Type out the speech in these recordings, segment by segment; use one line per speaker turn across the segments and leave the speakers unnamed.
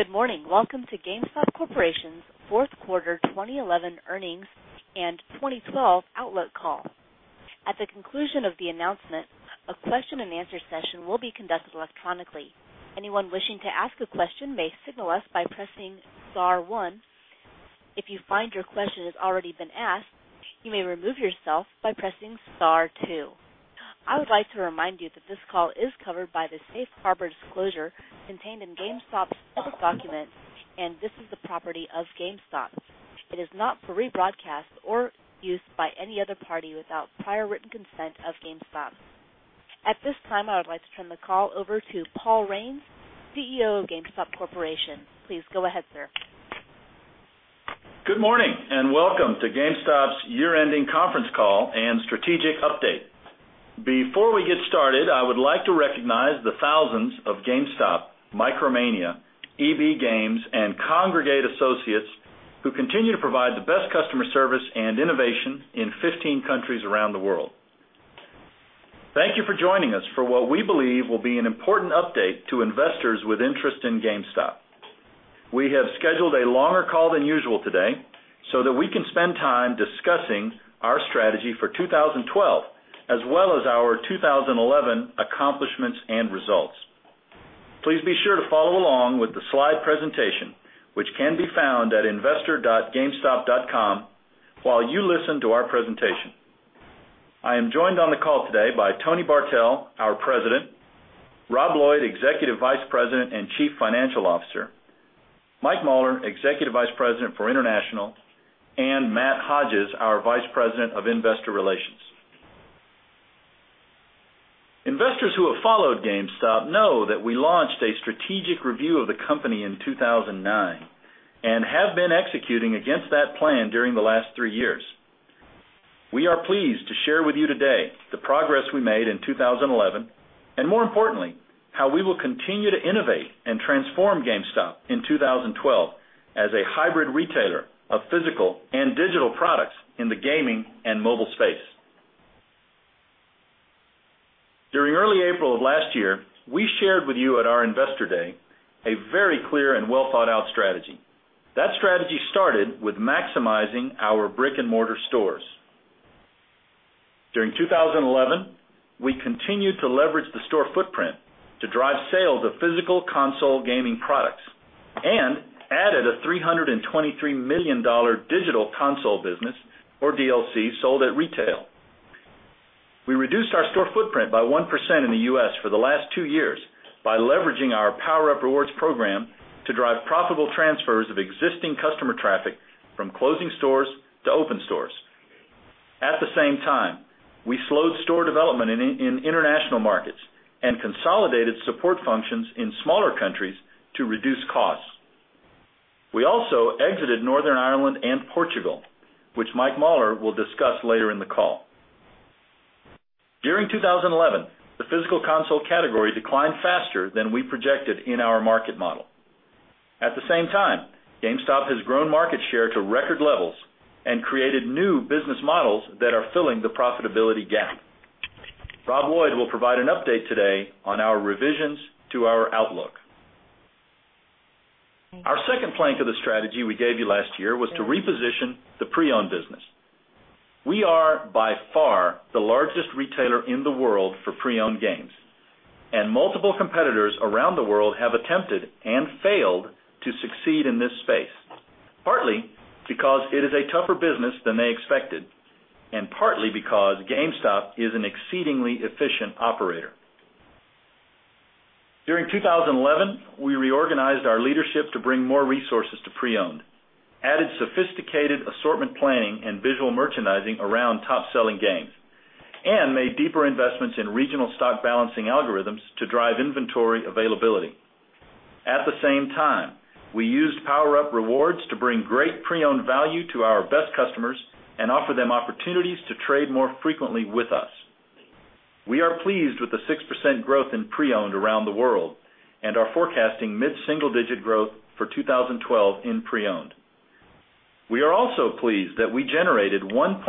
Good morning. Welcome to GameStop Corporation's Fourth Quarter 2011 Earnings and 2012 Outlook Call. At the conclusion of the announcement, a question and answer session will be conducted electronically. Anyone wishing to ask a question may signal us by pressing star one. If you find your question has already been asked, you may remove yourself by pressing star two. I would like to remind you that this call is covered by the safe harbor disclosure contained in GameStop's public documents, and this is the property of GameStop. It is not for rebroadcast or use by any other party without prior written consent of GameStop. At this time, I would like to turn the call over to Paul Raines, CEO of GameStop Corporation. Please go ahead, sir.
Good morning and welcome to GameStop's year-ending conference call and strategic update. Before we get started, I would like to recognize the thousands of GameStop, Micromania, EB Games, and Kongregate Associates who continue to provide the best customer service and innovation in 15 countries around the world. Thank you for joining us for what we believe will be an important update to investors with interest in GameStop. We have scheduled a longer call than usual today so that we can spend time discussing our strategy for 2012 as well as our 2011 accomplishments and results. Please be sure to follow along with the slide presentation, which can be found at investor.gamestop.com, while you listen to our presentation. I am joined on the call today by Tony Bartel, our President; Rob Lloyd, Executive Vice President and Chief Financial Officer; Mike Mauler, Executive Vice President for International; and Matt Hodges, our Vice President of Investor Relations. Investors who have followed GameStop know that we launched a strategic review of the company in 2009 and have been executing against that plan during the last three years. We are pleased to share with you today the progress we made in 2011 and, more importantly, how we will continue to innovate and transform GameStop in 2012 as a hybrid retailer of physical and digital products in the gaming and mobile space. During early April of last year, we shared with you at our Investor Day a very clear and well-thought-out strategy. That strategy started with maximizing our brick-and-mortar stores. During 2011, we continued to leverage the store footprint to drive sales of physical console gaming products and added a $323 million digital console business, or DLC, sold at retail. We reduced our store footprint by 1% in the U.S. for the last two years by leveraging our PowerUp Rewards program to drive profitable transfers of existing customer traffic from closing stores to open stores. At the same time, we slowed store development in international markets and consolidated support functions in smaller countries to reduce costs. We also exited Northern Ireland and Portugal, which Mike Mauler will discuss later in the call. During 2011, the physical console category declined faster than we projected in our market model. At the same time, GameStop has grown market share to record levels and created new business models that are filling the profitability gap. Rob Lloyd will provide an update today on our revisions to our outlook. Our second plank of the strategy we gave you last year was to reposition the pre-owned business. We are by far the largest retailer in the world for pre-owned games, and multiple competitors around the world have attempted and failed to succeed in this space, partly because it is a tougher business than they expected and partly because GameStop is an exceedingly efficient operator. During 2011, we reorganized our leadership to bring more resources to pre-owned, added sophisticated assortment planning and visual merchandising around top-selling games, and made deeper investments in regional stock balancing algorithms to drive inventory availability. At the same time, we used PowerUp Rewards to bring great pre-owned value to our best customers and offer them opportunities to trade more frequently with us. We are pleased with the 6% growth in pre-owned around the world and are forecasting mid-single-digit growth for 2012 in pre-owned. We are also pleased that we generated $1.2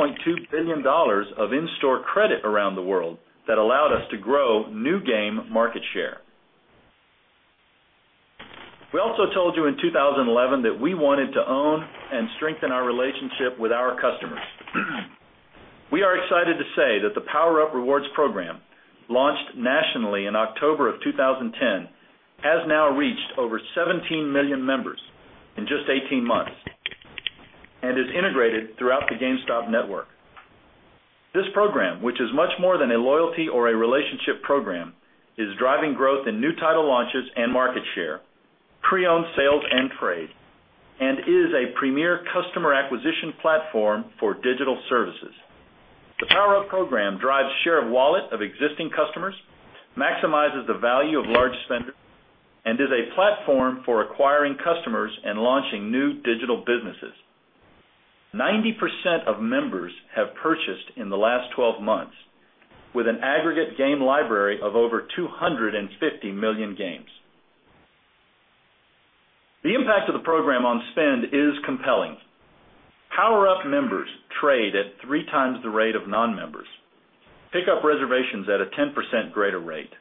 billion of in-store credit around the world that allowed us to grow new game market share. We also told you in 2011 that we wanted to own and strengthen our relationship with our customers. We are excited to say that the PowerUp Rewards program, launched nationally in October of 2010, has now reached over 17 million members in just 18 months and is integrated throughout the GameStop network. This program, which is much more than a loyalty or a relationship program, is driving growth in new title launches and market share, pre-owned sales and trade, and is a premier customer acquisition platform for digital services. The PowerUp program drives share of wallet of existing customers, maximizes the value of large spenders, and is a platform for acquiring customers and launching new digital businesses. 90% of members have purchased in the last 12 months with an aggregate game library of over 250 million games. The impact of the program on spend is compelling. PowerUp members trade at three times the rate of non-members, pick up reservations at a 10% greater rate,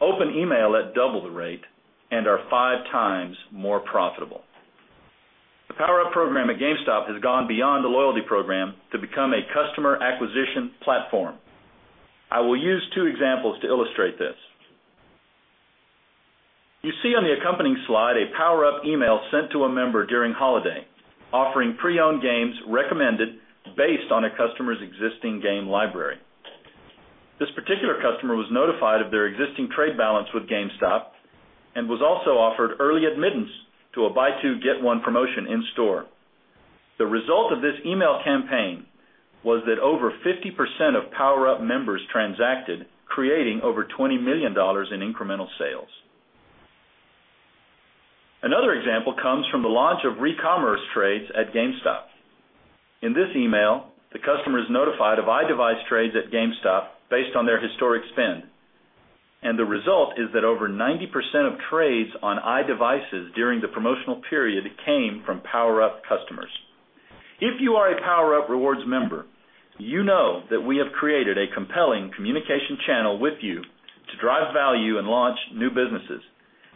open email at double the rate, and are five times more profitable. The PowerUp program at GameStop has gone beyond the loyalty program to become a customer acquisition platform. I will use two examples to illustrate this. You see on the accompanying slide a PowerUp email sent to a member during holiday, offering pre-owned games recommended based on a customer's existing game library. This particular customer was notified of their existing trade balance with GameStop and was also offered early admittance to a buy-two-get-one promotion in store. The result of this email campaign was that over 50% of PowerUp members transacted, creating over $20 million in incremental sales. Another example comes from the launch of recommerce trades at GameStop. In this email, the customer is notified of iDevice trades at GameStop based on their historic spend, and the result is that over 90% of trades on iDevices during the promotional period came from PowerUp customers. If you are a PowerUp Rewards member, you know that we have created a compelling communication channel with you to drive value and launch new businesses,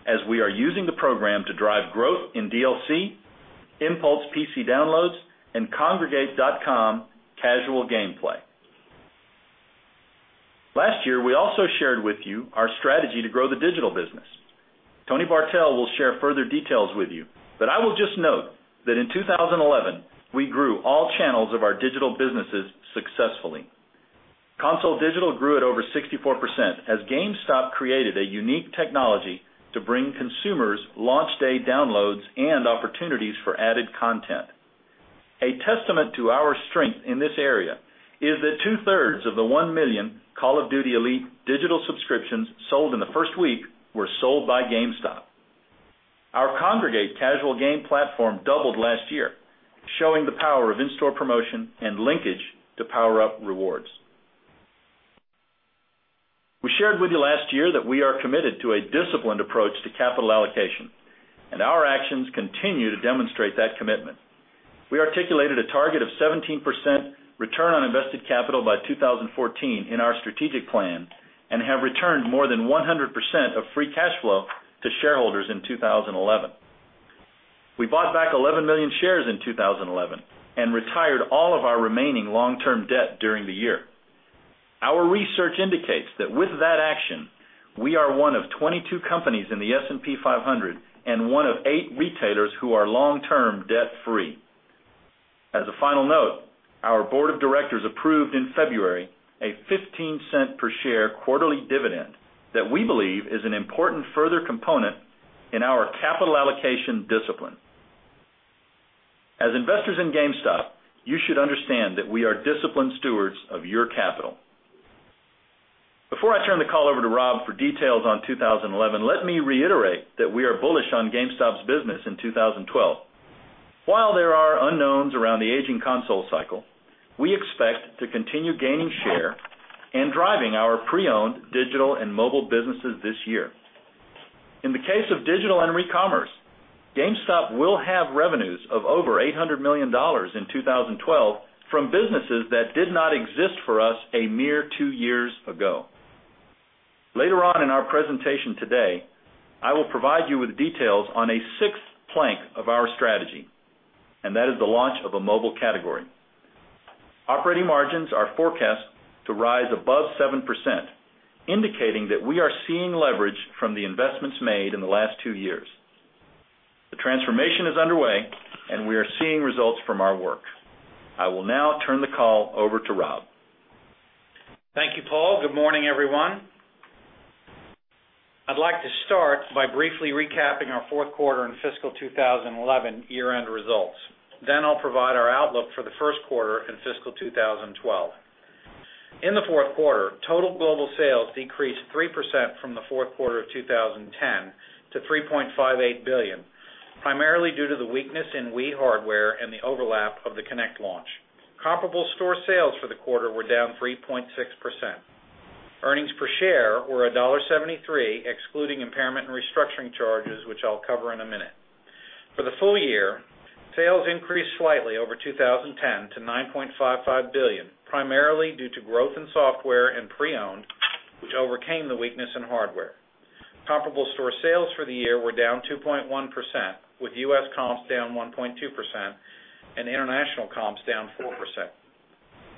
as we are using the program to drive growth in DLC, Impulse PC downloads, and Kongregate.com casual gameplay. Last year, we also shared with you our strategy to grow the digital business. Tony Bartel will share further details with you, but I will just note that in 2011, we grew all channels of our digital businesses successfully. Console digital grew at over 64% as GameStop created a unique technology to bring consumers launch day downloads and opportunities for added content. A testament to our strength in this area is that two-thirds of the one million Call of Duty Elite digital subscriptions sold in the first week were sold by GameStop. Our Kongregate casual game platform doubled last year, showing the power of in-store promotion and linkage to PowerUp Rewards. We shared with you last year that we are committed to a disciplined approach to capital allocation, and our actions continue to demonstrate that commitment. We articulated a target of 17% return on invested capital by 2014 in our strategic plan and have returned more than 100% of free cash flow to shareholders in 2011. We bought back 11 million shares in 2011 and retired all of our remaining long-term debt during the year. Our research indicates that with that action, we are one of 22 companies in the S&P 500 and one of eight retailers who are long-term debt-free. As a final note, our Board of Directors approved in February a $0.15 per share quarterly dividend that we believe is an important further component in our capital allocation discipline. As investors in GameStop, you should understand that we are disciplined stewards of your capital. Before I turn the call over to Rob for details on 2011, let me reiterate that we are bullish on GameStop's business in 2012. While there are unknowns around the aging console cycle, we expect to continue gaining share and driving our pre-owned, digital, and mobile businesses this year. In the case of digital and re-commerce, GameStop will have revenues of over $800 million in 2012 from businesses that did not exist for us a mere two years ago. Later on in our presentation today, I will provide you with details on a sixth plank of our strategy, and that is the launch of a mobile category. Operating margins are forecast to rise above 7%, indicating that we are seeing leverage from the investments made in the last two years. The transformation is underway, and we are seeing results from our work. I will now turn the call over to Rob.
Thank you, Paul. Good morning, everyone. I'd like to start by briefly recapping our fourth quarter in fiscal 2011 year-end results. Then I'll provide our outlook for the first quarter in fiscal 2012. In the fourth quarter, total global sales decreased 3% from the fourth quarter of 2010 to $3.58 billion, primarily due to the weakness in Wii hardware and the overlap of the Kinect launch. Comparable store sales for the quarter were down 3.6%. Earnings per share were $1.73, excluding impairment and restructuring charges, which I'll cover in a minute. For the full year, sales increased slightly over 2010 to $9.55 billion, primarily due to growth in software and pre-owned, which overcame the weakness in hardware. Comparable store sales for the year were down 2.1%, with U.S. comps down 1.2% and international comps down 4%.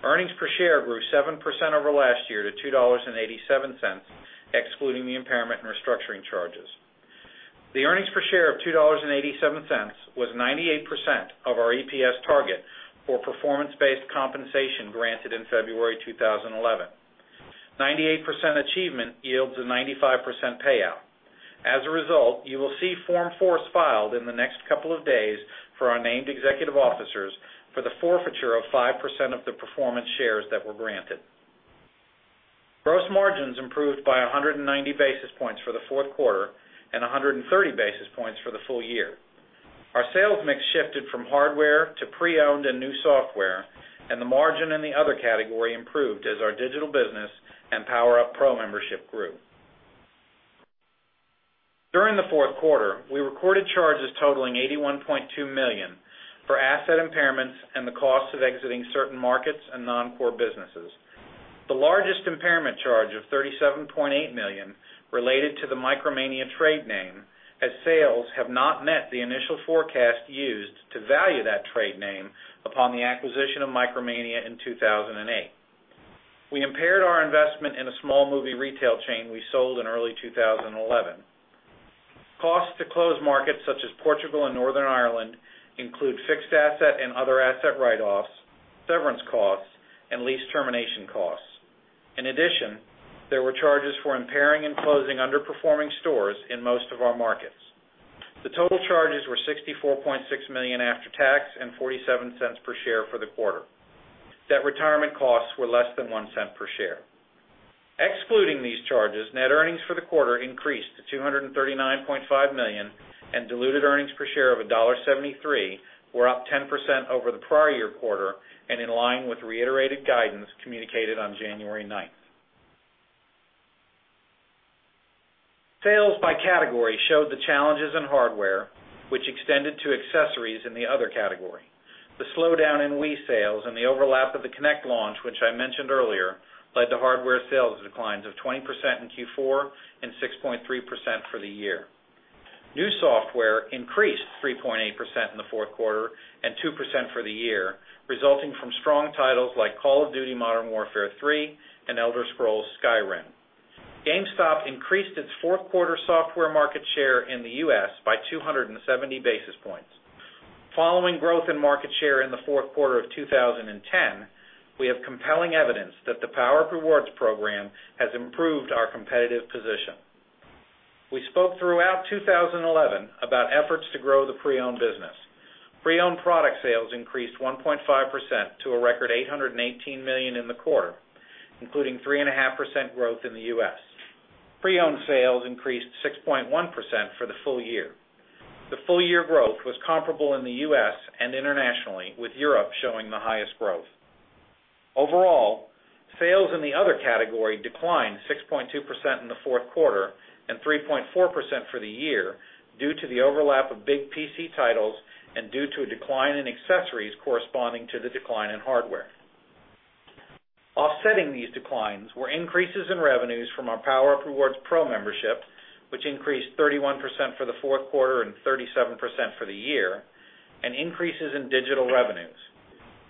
Earnings per share grew 7% over last year to $2.87, excluding the impairment and restructuring charges. The earnings per share of $2.87 was 98% of our EPS target for performance-based compensation granted in February 2011. 98% achievement yields a 95% payout. As a result, you will see Form 4s filed in the next couple of days for our named executive officers for the forfeiture of 5% of the performance shares that were granted. Gross margins improved by 190 basis points for the fourth quarter and 130 basis points for the full year. Our sales mix shifted from hardware to pre-owned and new software, and the margin in the other category improved as our digital business and PowerUp Pro membership grew. During the fourth quarter, we recorded charges totaling $81.2 million for asset impairments and the cost of exiting certain markets and non-core businesses. The largest impairment charge of $37.8 million related to the Micromania trade name as sales have not met the initial forecast used to value that trade name upon the acquisition of Micromania in 2008. We impaired our investment in a small movie retail chain we sold in early 2011. Costs to close markets such as Portugal and Northern Ireland include fixed asset and other asset write-offs, severance costs, and lease termination costs. In addition, there were charges for impairing and closing underperforming stores in most of our markets. The total charges were $64.6 million after tax and $0.47 per share for the quarter. Set retirement costs were less than $0.01 per share. Excluding these charges, net earnings for the quarter increased to $239.5 million, and diluted earnings per share of $1.73 were up 10% over the prior year quarter and in line with reiterated guidance communicated on January 9. Sales by category showed the challenges in hardware, which extended to accessories in the other category. The slowdown in Wii sales and the overlap of the Kinect launch, which I mentioned earlier, led to hardware sales declines of 20% in Q4 and 6.3% for the year. New software increased 3.8% in the fourth quarter and 2% for the year, resulting from strong titles like Call of Duty: Modern Warfare 3 and Elder Scrolls V: Skyrim. GameStop increased its fourth quarter software market share in the U.S. by 270 basis points. Following growth in market share in the fourth quarter of 2010, we have compelling evidence that the PowerUp Rewards program has improved our competitive position. We spoke throughout 2011 about efforts to grow the pre-owned business. Pre-owned product sales increased 1.5% to a record $818 million in the quarter, including 3.5% growth in the U.S. Pre-owned sales increased 6.1% for the full year. The full-year growth was comparable in the U.S. and internationally, with Europe showing the highest growth. Overall, sales in the other category declined 6.2% in the fourth quarter and 3.4% for the year due to the overlap of big PC titles and due to a decline in accessories corresponding to the decline in hardware. Offsetting these declines were increases in revenues from our PowerUp Rewards Pro membership, which increased 31% for the fourth quarter and 37% for the year, and increases in digital revenues.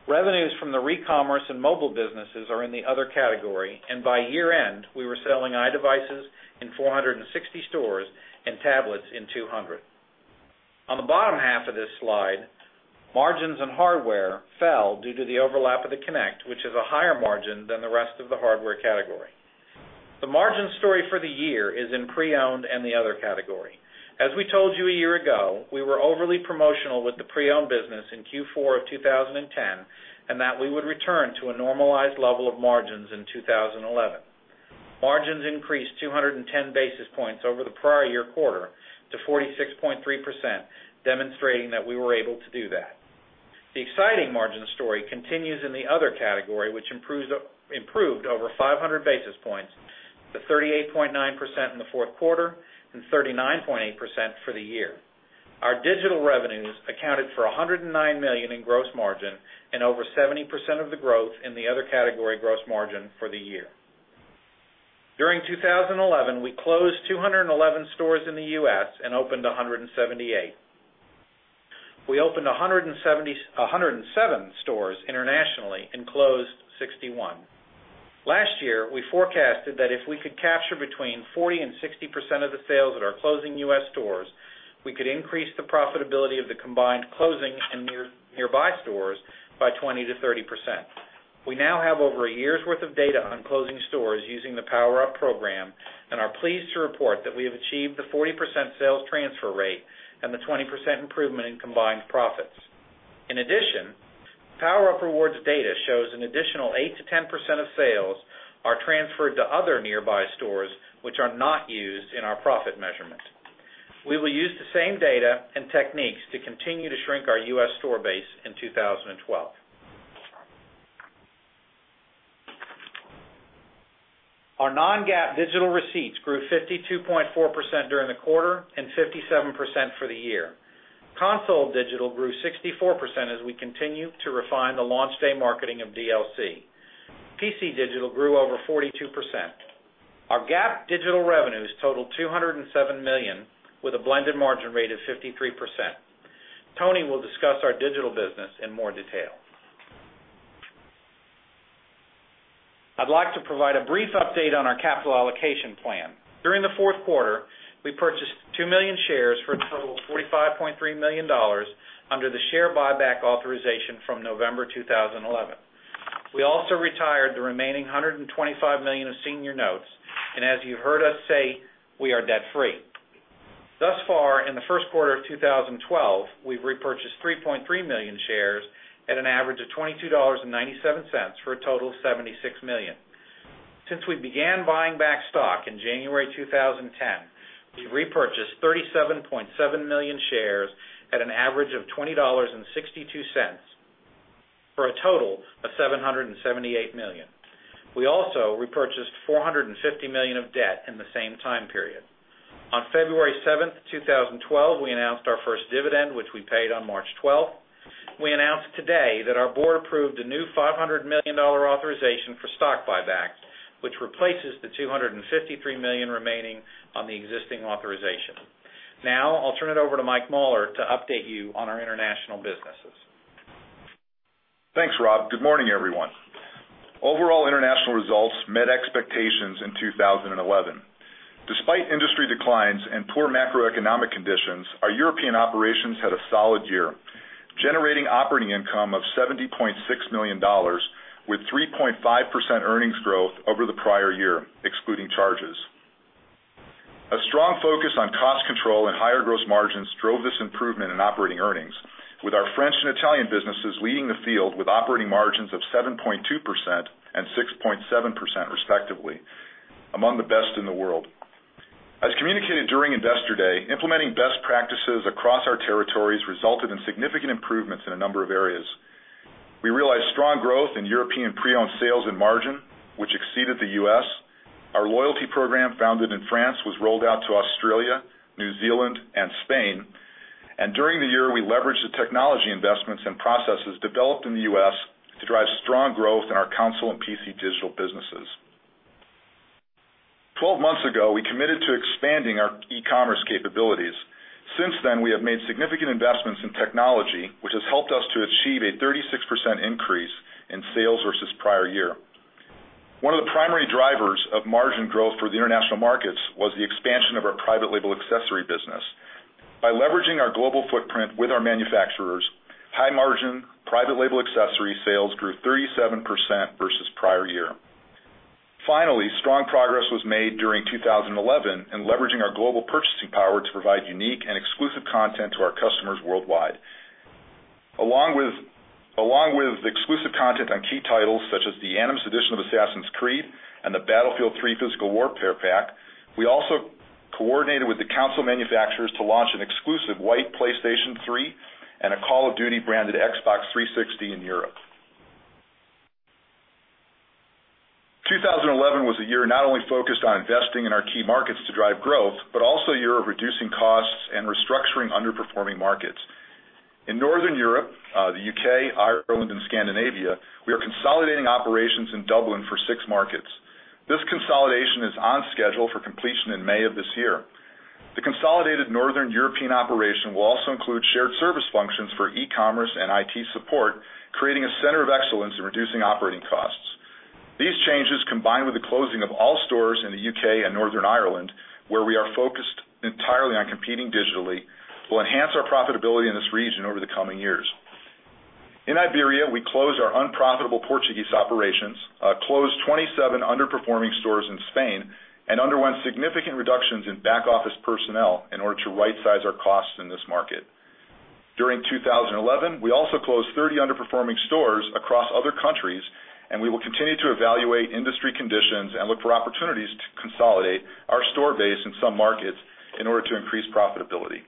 Revenues from the re-commerce and mobile businesses are in the other category, and by year-end, we were selling iDevices in 460 stores and tablets in 200. On the bottom half of this slide, margins in hardware fell due to the overlap of the Kinect, which has a higher margin than the rest of the hardware category. The margin story for the year is in pre-owned and the other category. As we told you a year ago, we were overly promotional with the pre-owned business in Q4 of 2010 and that we would return to a normalized level of margins in 2011. Margins increased 210 basis points over the prior year quarter to 46.3%, demonstrating that we were able to do that. The exciting margin story continues in the other category, which improved over 500 basis points to 38.9% in the fourth quarter and 39.8% for the year. Our digital revenues accounted for $109 million in gross margin and over 70% of the growth in the other category gross margin for the year. During 2011, we closed 211 stores in the U.S. and opened 178. We opened 107 stores internationally and closed 61. Last year, we forecasted that if we could capture between 40% and 60% of the sales in our closing U.S. stores, we could increase the profitability of the combined closing and nearby stores by 20%-30%. We now have over a year's worth of data on closing stores using the PowerUp Rewards program and are pleased to report that we have achieved the 40% sales transfer rate and the 20% improvement in combined profits. In addition, PowerUp Rewards data shows an additional 8%-10% of sales are transferred to other nearby stores, which are not used in our profit measurement. We will use the same data and techniques to continue to shrink our U.S. store base in 2012. Our non-GAAP digital receipts grew 52.4% during the quarter and 57% for the year. Console Digital grew 64% as we continue to refine the launch day marketing of DLC. PC Digital grew over 42%. Our GAAP digital revenues totaled $207 million with a blended margin rate of 53%. Tony will discuss our digital business in more detail. I'd like to provide a brief update on our capital allocation plan. During the fourth quarter, we purchased 2 million shares for a total of $45.3 million under the share buyback authorization from November 2011. We also retired the remaining $125 million of senior notes, and as you've heard us say, we are debt-free. Thus far, in the first quarter of 2012, we've repurchased 3.3 million shares at an average of $22.97 for a total of $76 million. Since we began buying back stock in January 2010, we repurchased 37.7 million shares at an average of $20.62 for a total of $778 million. We also repurchased $450 million of debt in the same time period. On February 7, 2012, we announced our first dividend, which we paid on March 12. We announced today that our board approved a new $500 million authorization for stock buyback, which replaces the $253 million remaining on the existing authorization. Now, I'll turn it over to Mike Mauler to update you on our international businesses.
Thanks, Rob. Good morning, everyone. Overall international results met expectations in 2011. Despite industry declines and poor macroeconomic conditions, our European operations had a solid year, generating operating income of $70.6 million with 3.5% earnings growth over the prior year, excluding charges. A strong focus on cost control and higher gross margins drove this improvement in operating earnings, with our French and Italian businesses leading the field with operating margins of 7.2% and 6.7% respectively, among the best in the world. As communicated during Investor Day, implementing best practices across our territories resulted in significant improvements in a number of areas. We realized strong growth in European pre-owned sales and margin, which exceeded the U.S. Our loyalty program founded in France was rolled out to Australia, New Zealand, and Spain, and during the year, we leveraged the technology investments and processes developed in the U.S. to drive strong growth in our console and PC digital businesses. Twelve months ago, we committed to expanding our e-commerce capabilities. Since then, we have made significant investments in technology, which has helped us to achieve a 36% increase in sales versus prior year. One of the primary drivers of margin growth for the international markets was the expansion of our private label accessory business. By leveraging our global footprint with our manufacturers, high margin private label accessory sales grew 37% versus prior year. Finally, strong progress was made during 2011 in leveraging our global purchasing power to provide unique and exclusive content to our customers worldwide. Along with exclusive content on key titles such as the Animus edition of Assassin's Creed and the Battlefield 3 Physical Warfare pack, we also coordinated with the console manufacturers to launch an exclusive White PlayStation 3 and a Call of Duty-branded Xbox 360 in Europe. 2011 was a year not only focused on investing in our key markets to drive growth, but also a year of reducing costs and restructuring underperforming markets. In Northern Europe, the UK, Ireland, and Scandinavia, we are consolidating operations in Dublin for six markets. This consolidation is on schedule for completion in May of this year. The consolidated Northern European operation will also include shared service functions for e-commerce and IT support, creating a center of excellence in reducing operating costs. These changes, combined with the closing of all stores in the U.K. and Northern Ireland, where we are focused entirely on competing digitally, will enhance our profitability in this region over the coming years. In Iberia, we closed our unprofitable Portuguese operations, closed 27 underperforming stores in Spain, and underwent significant reductions in back-office personnel in order to right-size our costs in this market. During 2011, we also closed 30 underperforming stores across other countries, and we will continue to evaluate industry conditions and look for opportunities to consolidate our store base in some markets in order to increase profitability.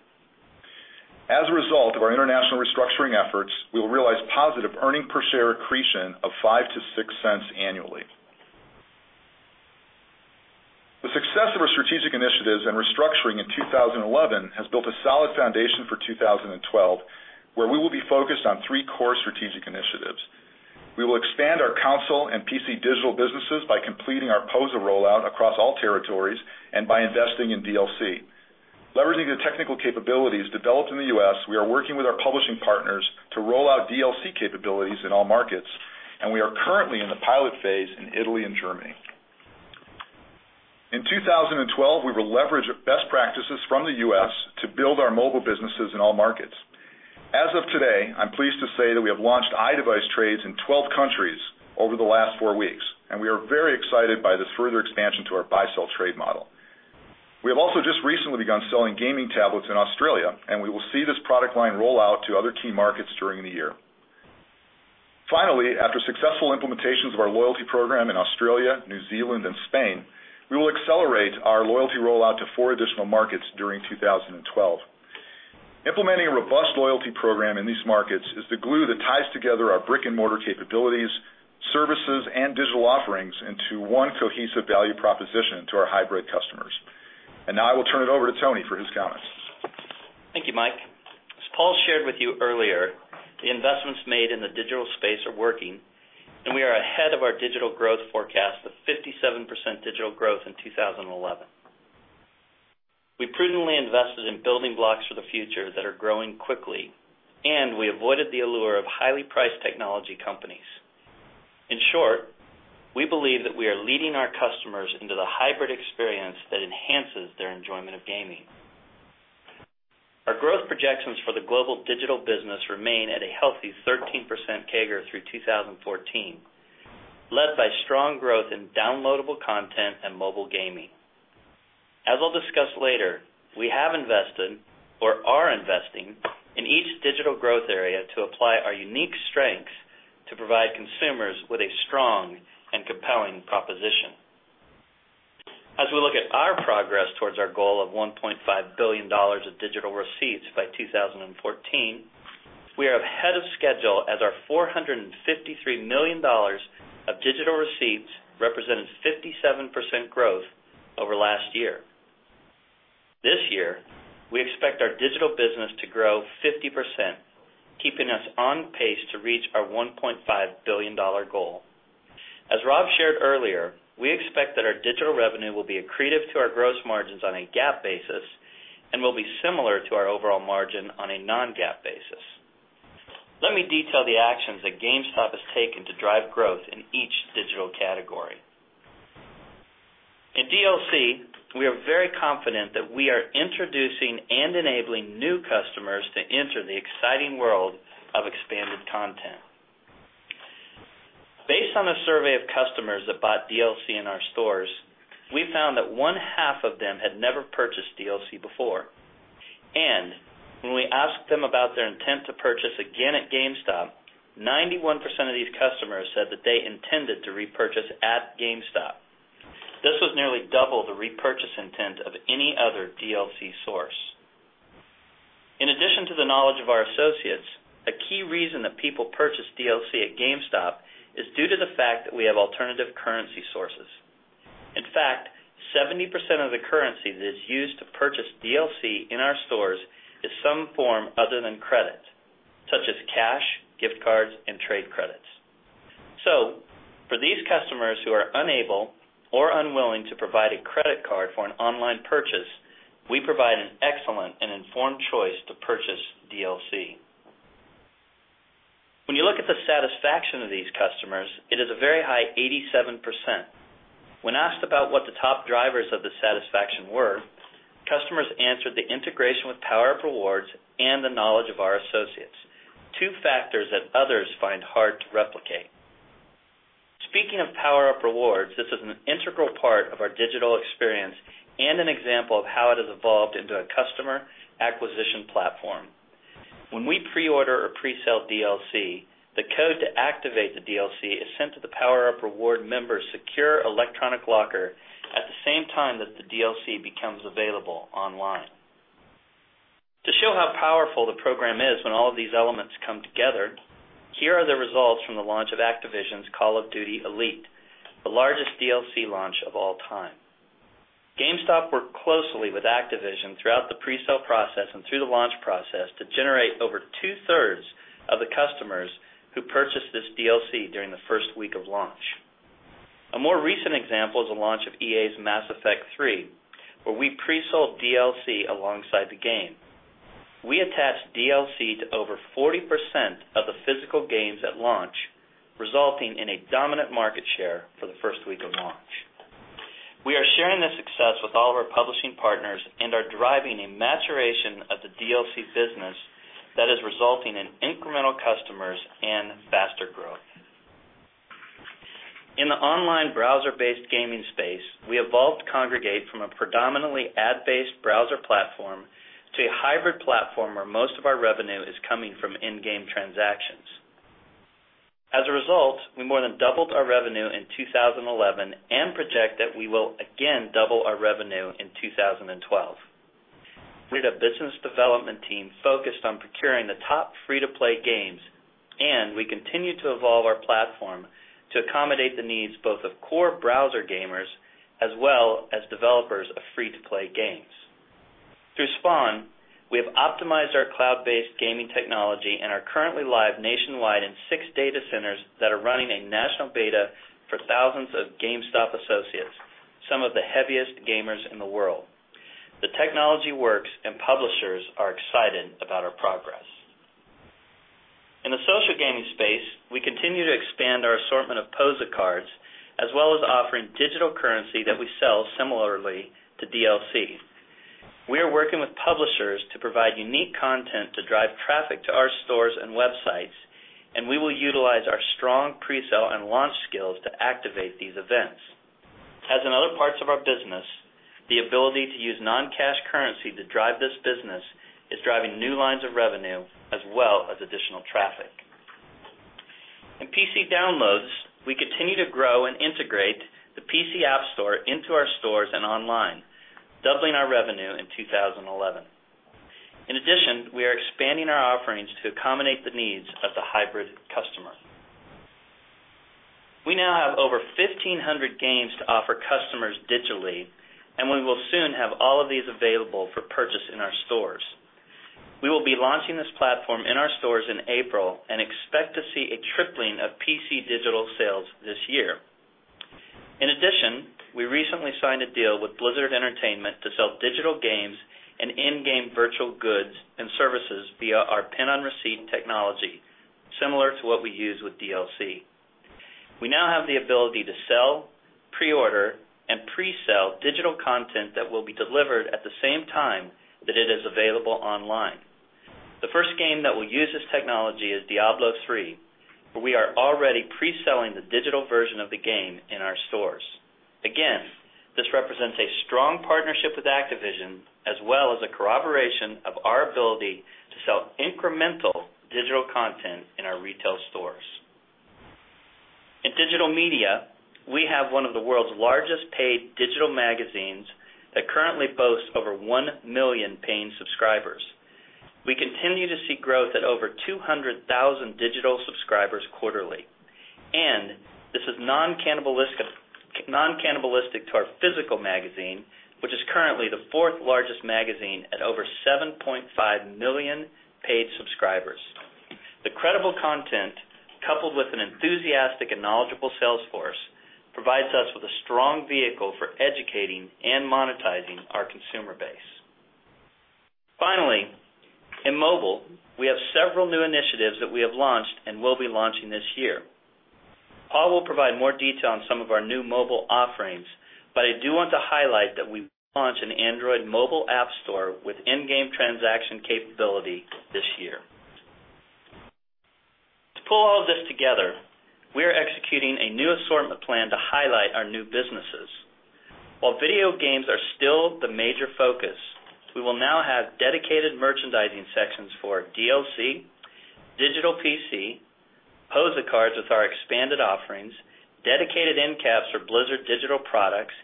As a result of our international restructuring efforts, we will realize positive earnings per share accretion of $0.05-$0.06 annually. The success of our strategic initiatives and restructuring in 2011 has built a solid foundation for 2012, where we will be focused on three core strategic initiatives. We will expand our console and PC digital businesses by completing our POSA rollout across all territories and by investing in DLC. Leveraging the technical capabilities developed in the U.S., we are working with our publishing partners to roll out DLC capabilities in all markets, and we are currently in the pilot phase in Italy and Germany. In 2012, we will leverage best practices from the U.S. to build our mobile businesses in all markets. As of today, I'm pleased to say that we have launched iDevice trades in 12 countries over the last four weeks, and we are very excited by this further expansion to our buy-sell trade model. We have also just recently begun selling gaming tablets in Australia, and we will see this product line roll out to other key markets during the year. Finally, after successful implementations of our loyalty program in Australia, New Zealand, and Spain, we will accelerate our loyalty rollout to four additional markets during 2012. Implementing a robust loyalty program in these markets is the glue that ties together our brick-and-mortar capabilities, services, and digital offerings into one cohesive value proposition to our hybrid customers. Now I will turn it over to Tony for his comments.
Thank you, Mike. As Paul shared with you earlier, the investments made in the digital space are working, and we are ahead of our digital growth forecast of 57% digital growth in 2011. We prudently invested in building blocks for the future that are growing quickly, and we avoided the allure of highly priced technology companies. In short, we believe that we are leading our customers into the hybrid experience that enhances their enjoyment of gaming. Our growth projections for the global digital business remain at a healthy 13% CAGR through 2014, led by strong growth in downloadable content and mobile gaming. As I'll discuss later, we have invested or are investing in each digital growth area to apply our unique strengths to provide consumers with a strong and compelling proposition. As we look at our progress towards our goal of $1.5 billion of digital receipts by 2014, we are ahead of schedule as our $453 million of digital receipts represented 57% growth over last year. This year, we expect our digital business to grow 50%, keeping us on pace to reach our $1.5 billion goal. As Rob shared earlier, we expect that our digital revenue will be accretive to our gross margins on a GAAP basis and will be similar to our overall margin on a non-GAAP basis. Let me detail the actions that GameStop has taken to drive growth in each digital category. In DLC, we are very confident that we are introducing and enabling new customers to enter the exciting world of expanded content. Based on a survey of customers that bought DLC in our stores, we found that one half of them had never purchased DLC before, and when we asked them about their intent to purchase again at GameStop, 91% of these customers said that they intended to repurchase at GameStop. This was nearly double the repurchase intent of any other DLC source. In addition to the knowledge of our associates, a key reason that people purchase DLC at GameStop is due to the fact that we have alternative currency sources. In fact, 70% of the currency that is used to purchase DLC in our stores is some form other than credit, such as cash, gift cards, and trade credits. For these customers who are unable or unwilling to provide a credit card for an online purchase, we provide an excellent and informed choice to purchase DLC. When you look at the satisfaction of these customers, it is a very high 87%. When asked about what the top drivers of the satisfaction were, customers answered the integration with PowerUp Rewards and the knowledge of our associates, two factors that others find hard to replicate. Speaking of PowerUp Rewards, this is an integral part of our digital experience and an example of how it has evolved into a customer acquisition platform. When we pre-order or pre-sell DLC, the code to activate the DLC is sent to the PowerUp Rewards member's secure electronic locker at the same time that the DLC becomes available online. To show how powerful the program is when all of these elements come together, here are the results from the launch of Activision's Call of Duty: ELITE, the largest DLC launch of all time. GameStop worked closely with Activision throughout the pre-sale process and through the launch process to generate over two-thirds of the customers who purchased this DLC during the first week of launch. A more recent example is the launch of EA's Mass Effect 3, where we pre-sold DLC alongside the game. We attached DLC to over 40% of the physical games at launch, resulting in a dominant market share for the first week of launch. We are sharing this success with all of our publishing partners and are driving a maturation of the DLC business that is resulting in incremental customers and faster growth. In the online browser-based gaming space, we evolved Kongregate from a predominantly ad-based browser platform to a hybrid platform where most of our revenue is coming from in-game transactions. As a result, we more than doubled our revenue in 2011 and project that we will again double our revenue in 2012. We had a business development team focused on procuring the top free-to-play games, and we continue to evolve our platform to accommodate the needs both of core browser gamers as well as developers of free-to-play games. Through Spawn, we have optimized our cloud-based gaming technology and are currently live nationwide in six data centers that are running a national beta for thousands of GameStop associates, some of the heaviest gamers in the world. The technology works, and publishers are excited about our progress. In the social gaming space, we continue to expand our assortment of POSA cards as well as offering digital currency that we sell similarly to DLC. We are working with publishers to provide unique content to drive traffic to our stores and websites, and we will utilize our strong pre-sale and launch skills to activate these events. As in other parts of our business, the ability to use non-cash currency to drive this business is driving new lines of revenue as well as additional traffic. In PC downloads, we continue to grow and integrate the PC App Store into our stores and online, doubling our revenue in 2011. In addition, we are expanding our offerings to accommodate the needs of the hybrid customer. We now have over 1,500 games to offer customers digitally, and we will soon have all of these available for purchase in our stores. We will be launching this platform in our stores in April and expect to see a tripling of PC digital sales this year. In addition, we recently signed a deal with Blizzard Entertainment to sell digital games and in-game virtual goods and services via our pin-on-receipt technology, similar to what we use with DLC. We now have the ability to sell, pre-order, and pre-sell digital content that will be delivered at the same time that it is available online. The first game that will use this technology is Diablo III, where we are already pre-selling the digital version of the game in our stores. Again, this represents a strong partnership with Activision as well as a corroboration of our ability to sell incremental digital content in our retail stores. In digital media, we have one of the world's largest paid digital magazines that currently boasts over 1 million paying subscribers. We continue to see growth at over 200,000 digital subscribers quarterly, and this is non-cannibalistic to our physical magazine, which is currently the fourth largest magazine at over 7.5 million paid subscribers. The credible content, coupled with an enthusiastic and knowledgeable sales force, provides us with a strong vehicle for educating and monetizing our consumer base. Finally, in mobile, we have several new initiatives that we have launched and will be launching this year. Paul will provide more detail on some of our new mobile offerings, but I do want to highlight that we launch an Android mobile app store with in-game transaction capability this year. To pull all of this together, we are executing a new assortment plan to highlight our new businesses. While video games are still the major focus, we will now have dedicated merchandising sections for DLC, digital PC, POSA cards with our expanded offerings, dedicated end caps for Blizzard digital products,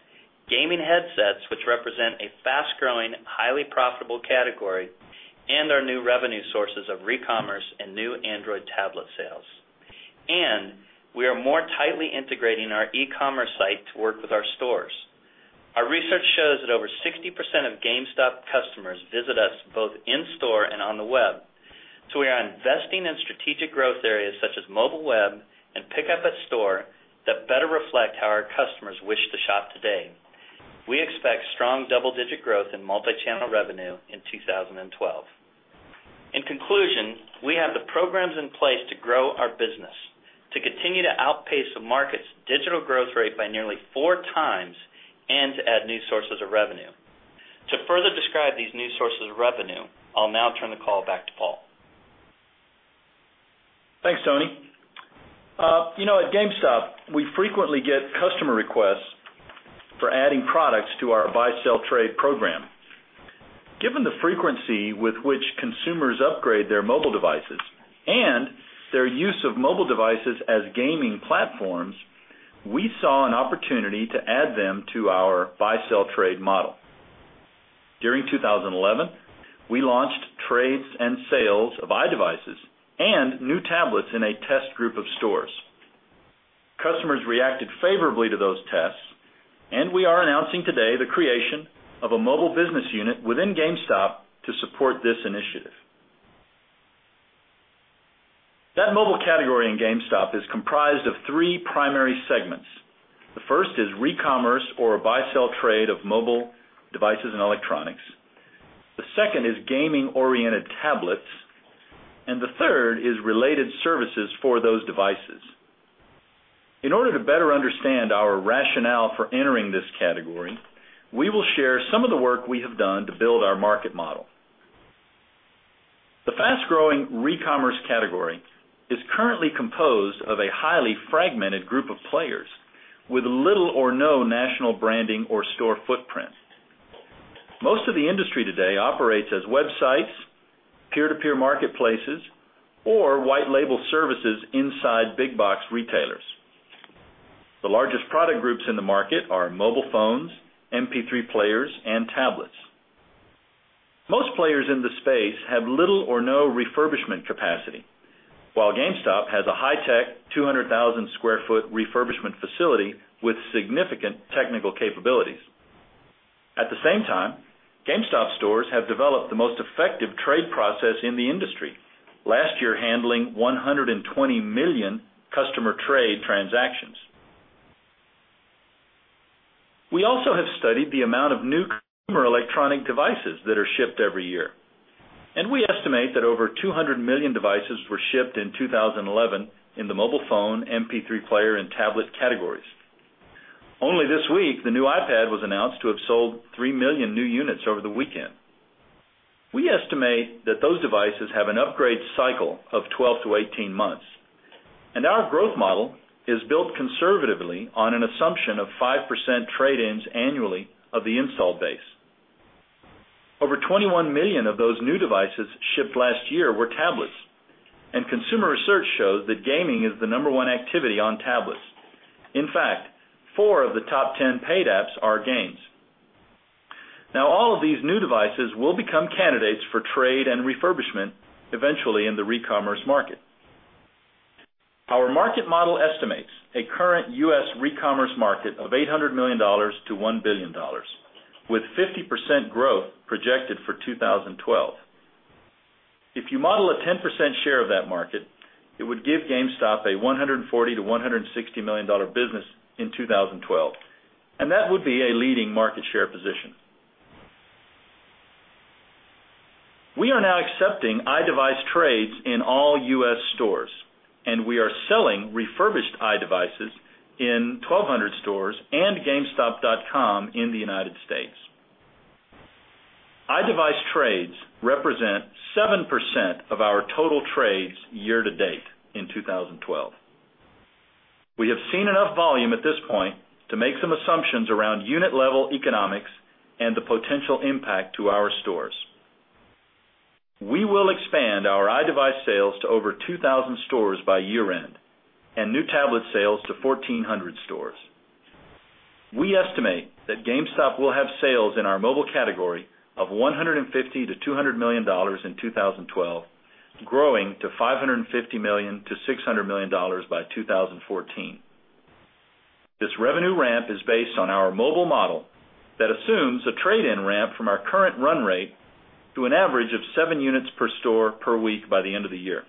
gaming headsets, which represent a fast-growing, highly profitable category, and our new revenue sources of mobile device recommerce and new Android tablet sales. We are more tightly integrating our e-commerce site to work with our stores. Our research shows that over 60% of GameStop customers visit us both in-store and on the web, so we are investing in strategic growth areas such as mobile web and pickup at store that better reflect how our customers wish to shop today. We expect strong double-digit growth in multi-channel revenue in 2012. In conclusion, we have the programs in place to grow our business, to continue to outpace the market's digital growth rate by nearly four times, and to add new sources of revenue. To further describe these new sources of revenue, I'll now turn the call back to Paul.
Thanks, Tony. You know, at GameStop, we frequently get customer requests for adding products to our buy-sell trade program. Given the frequency with which consumers upgrade their mobile devices and their use of mobile devices as gaming platforms, we saw an opportunity to add them to our buy-sell trade model. During 2011, we launched trades and sales of iDevices and new tablets in a test group of stores. Customers reacted favorably to those tests, and we are announcing today the creation of a mobile business unit within GameStop to support this initiative. That mobile category in GameStop is comprised of three primary segments. The first is re-commerce or a buy-sell trade of mobile devices and electronics. The second is gaming-oriented tablets, and the third is related services for those devices. In order to better understand our rationale for entering this category, we will share some of the work we have done to build our market model. The fast-growing re-commerce category is currently composed of a highly fragmented group of players with little or no national branding or store footprint. Most of the industry today operates as websites, peer-to-peer marketplaces, or white-label services inside big-box retailers. The largest product groups in the market are mobile phones, MP3 players, and tablets. Most players in the space have little or no refurbishment capacity, while GameStop has a high-tech, 200,000 square foot refurbishment facility with significant technical capabilities. At the same time, GameStop stores have developed the most effective trade process in the industry, last year handling 120 million customer trade transactions. We also have studied the amount of new consumer electronic devices that are shipped every year, and we estimate that over 200 million devices were shipped in 2011 in the mobile phone, MP3 player, and tablet categories. Only this week, the new iPad was announced to have sold 3 million new units over the weekend. We estimate that those devices have an upgrade cycle of 12-18 months, and our growth model is built conservatively on an assumption of 5% trade-ins annually of the installed base. Over 21 million of those new devices shipped last year were tablets, and consumer research shows that gaming is the number one activity on tablets. In fact, four of the top 10 paid apps are games. Now, all of these new devices will become candidates for trade and refurbishment eventually in the re-commerce market. Our market model estimates a current U.S. re-commerce market of $800 million to $1 billion, with 50% growth projected for 2012. If you model a 10% share of that market, it would give GameStop a $140 million to $160 million business in 2012, and that would be a leading market share position. We are now accepting iDevice trades in all U.S. stores, and we are selling refurbished iDevices in 1,200 stores and GameStop.com in the United States. iDevice trades represent 7% of our total trades year to date in 2012. We have seen enough volume at this point to make some assumptions around unit-level economics and the potential impact to our stores. We will expand our iDevice sales to over 2,000 stores by year-end and new tablet sales to 1,400 stores. We estimate that GameStop will have sales in our mobile category of $150 million to $200 million in 2012, growing to $550 million to $600 million by 2014. This revenue ramp is based on our mobile model that assumes a trade-in ramp from our current run rate to an average of seven units per store per week by the end of the year.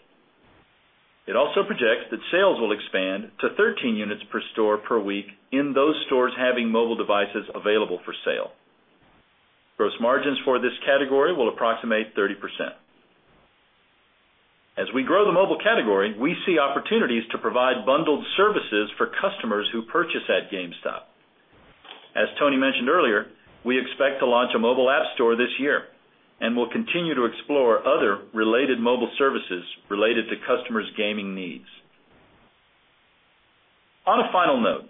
It also projects that sales will expand to 13 units per store per week in those stores having mobile devices available for sale. Gross margins for this category will approximate 30%. As we grow the mobile category, we see opportunities to provide bundled services for customers who purchase at GameStop. As Tony mentioned earlier, we expect to launch a mobile app store this year and will continue to explore other related mobile services related to customers' gaming needs. On a final note,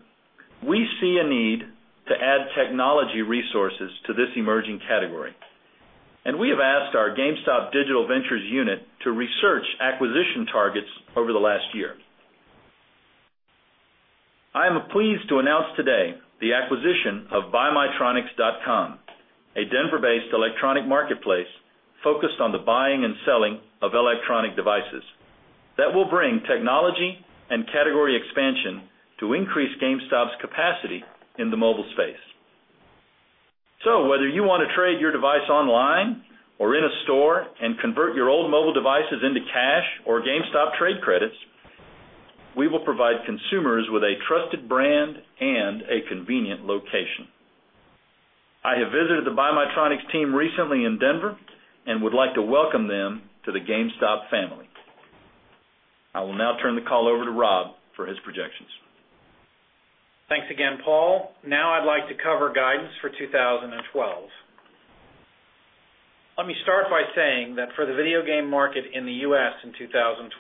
we see a need to add technology resources to this emerging category, and we have asked our GameStop Digital Ventures unit to research acquisition targets over the last year. I am pleased to announce today the acquisition of BuyMyTronics.com, a Denver-based electronic marketplace focused on the buying and selling of electronic devices that will bring technology and category expansion to increase GameStop's capacity in the mobile space. Whether you want to trade your device online or in a store and convert your old mobile devices into cash or GameStop trade credits, we will provide consumers with a trusted brand and a convenient location. I have visited the BuyMyTronics team recently in Denver and would like to welcome them to the GameStop family. I will now turn the call over to Rob for his projections.
Thanks again, Paul. Now I'd like to cover guidance for 2012. Let me start by saying that for the video game market in the U.S. in 2012,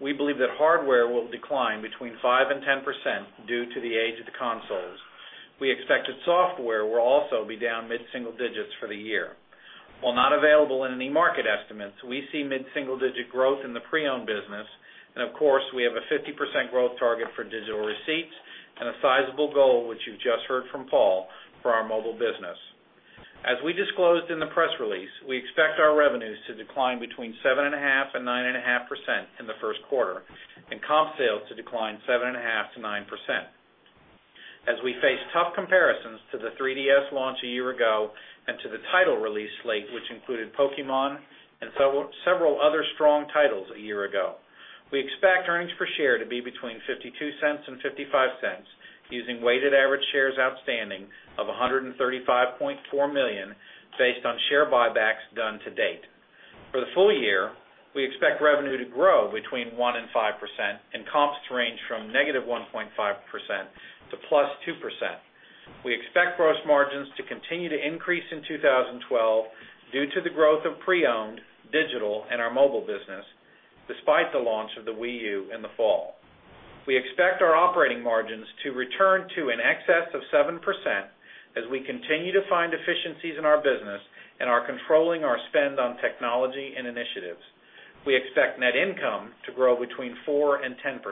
we believe that hardware will decline between 5% and 10% due to the age of the consoles. We expect that software will also be down mid-single digits for the year. While not available in any market estimates, we see mid-single digit growth in the pre-owned business, and of course, we have a 50% growth target for digital receipts and a sizable goal, which you've just heard from Paul, for our mobile business. As we disclosed in the press release, we expect our revenues to decline between 7.5% and 9.5% in the first quarter, and comp sales to decline 7.5% to 9%. As we face tough comparisons to the 3DS launch a year ago and to the title release late, which included Pokémon and several other strong titles a year ago, we expect earnings per share to be between $0.52 and $0.55, using weighted average shares outstanding of $135.4 million based on share buybacks done to date. For the full year, we expect revenue to grow between 1% and 5%, and comps to range from -1.5% to +2%. We expect gross margins to continue to increase in 2012 due to the growth of pre-owned, digital, and our mobile business, despite the launch of the Wii U in the fall. We expect our operating margins to return to an excess of 7% as we continue to find efficiencies in our business and are controlling our spend on technology and initiatives. We expect net income to grow between 4% and 10%.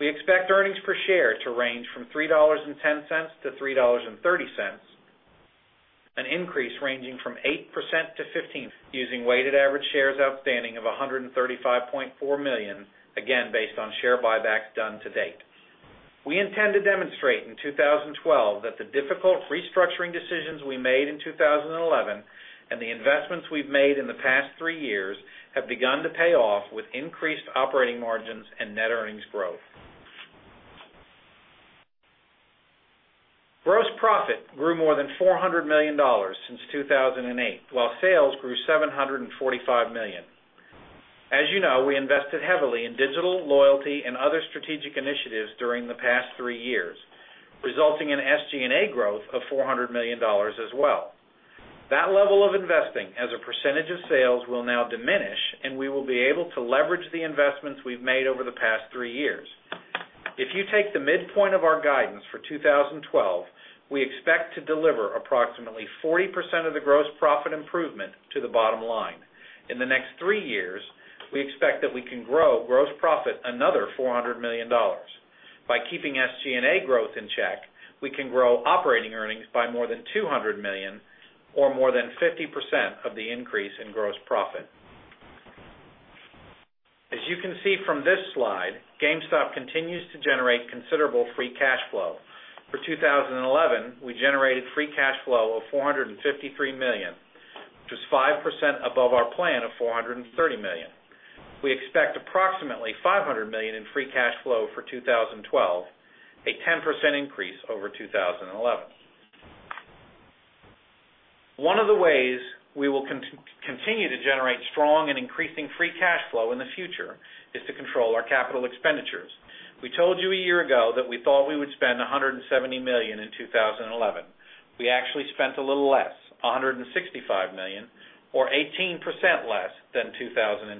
We expect earnings per share to range from $3.10-$3.30, an increase ranging from 8%-15%, using weighted average shares outstanding of $135.4 million, again based on share buybacks done to date. We intend to demonstrate in 2012 that the difficult restructuring decisions we made in 2011 and the investments we've made in the past three years have begun to pay off with increased operating margins and net earnings growth. Gross profit grew more than $400 million since 2008, while sales grew $745 million. As you know, we invested heavily in digital, loyalty, and other strategic initiatives during the past three years, resulting in SG&A growth of $400 million as well. That level of investing as a percentage of sales will now diminish, and we will be able to leverage the investments we've made over the past three years. If you take the midpoint of our guidance for 2012, we expect to deliver approximately 40% of the gross profit improvement to the bottom line. In the next three years, we expect that we can grow gross profit another $400 million. By keeping SG&A growth in check, we can grow operating earnings by more than $200 million or more than 50% of the increase in gross profit. As you can see from this slide, GameStop continues to generate considerable free cash flow. For 2011, we generated free cash flow of $453 million, which is 5% above our plan of $430 million. We expect approximately $500 million in free cash flow for 2012, a 10% increase over 2011. One of the ways we will continue to generate strong and increasing free cash flow in the future is to control our capital expenditures. We told you a year ago that we thought we would spend $170 million in 2011. We actually spent a little less, $165 million, or 18% less than 2010.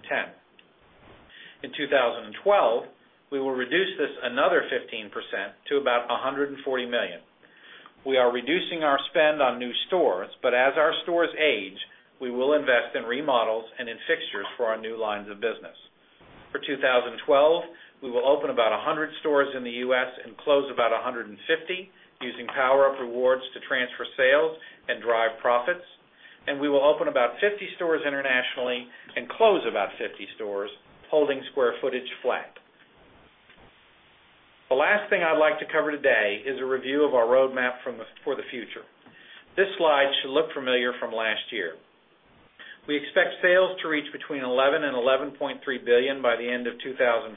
In 2012, we will reduce this another 15% to about $140 million. We are reducing our spend on new stores, but as our stores age, we will invest in remodels and in fixtures for our new lines of business. For 2012, we will open about 100 stores in the U.S. and close about 150, using PowerUp Rewards to transfer sales and drive profits, and we will open about 50 stores internationally and close about 50 stores, holding square footage flat. The last thing I'd like to cover today is a review of our roadmap for the future. This slide should look familiar from last year. We expect sales to reach between $11 billion and $11.3 billion by the end of 2014.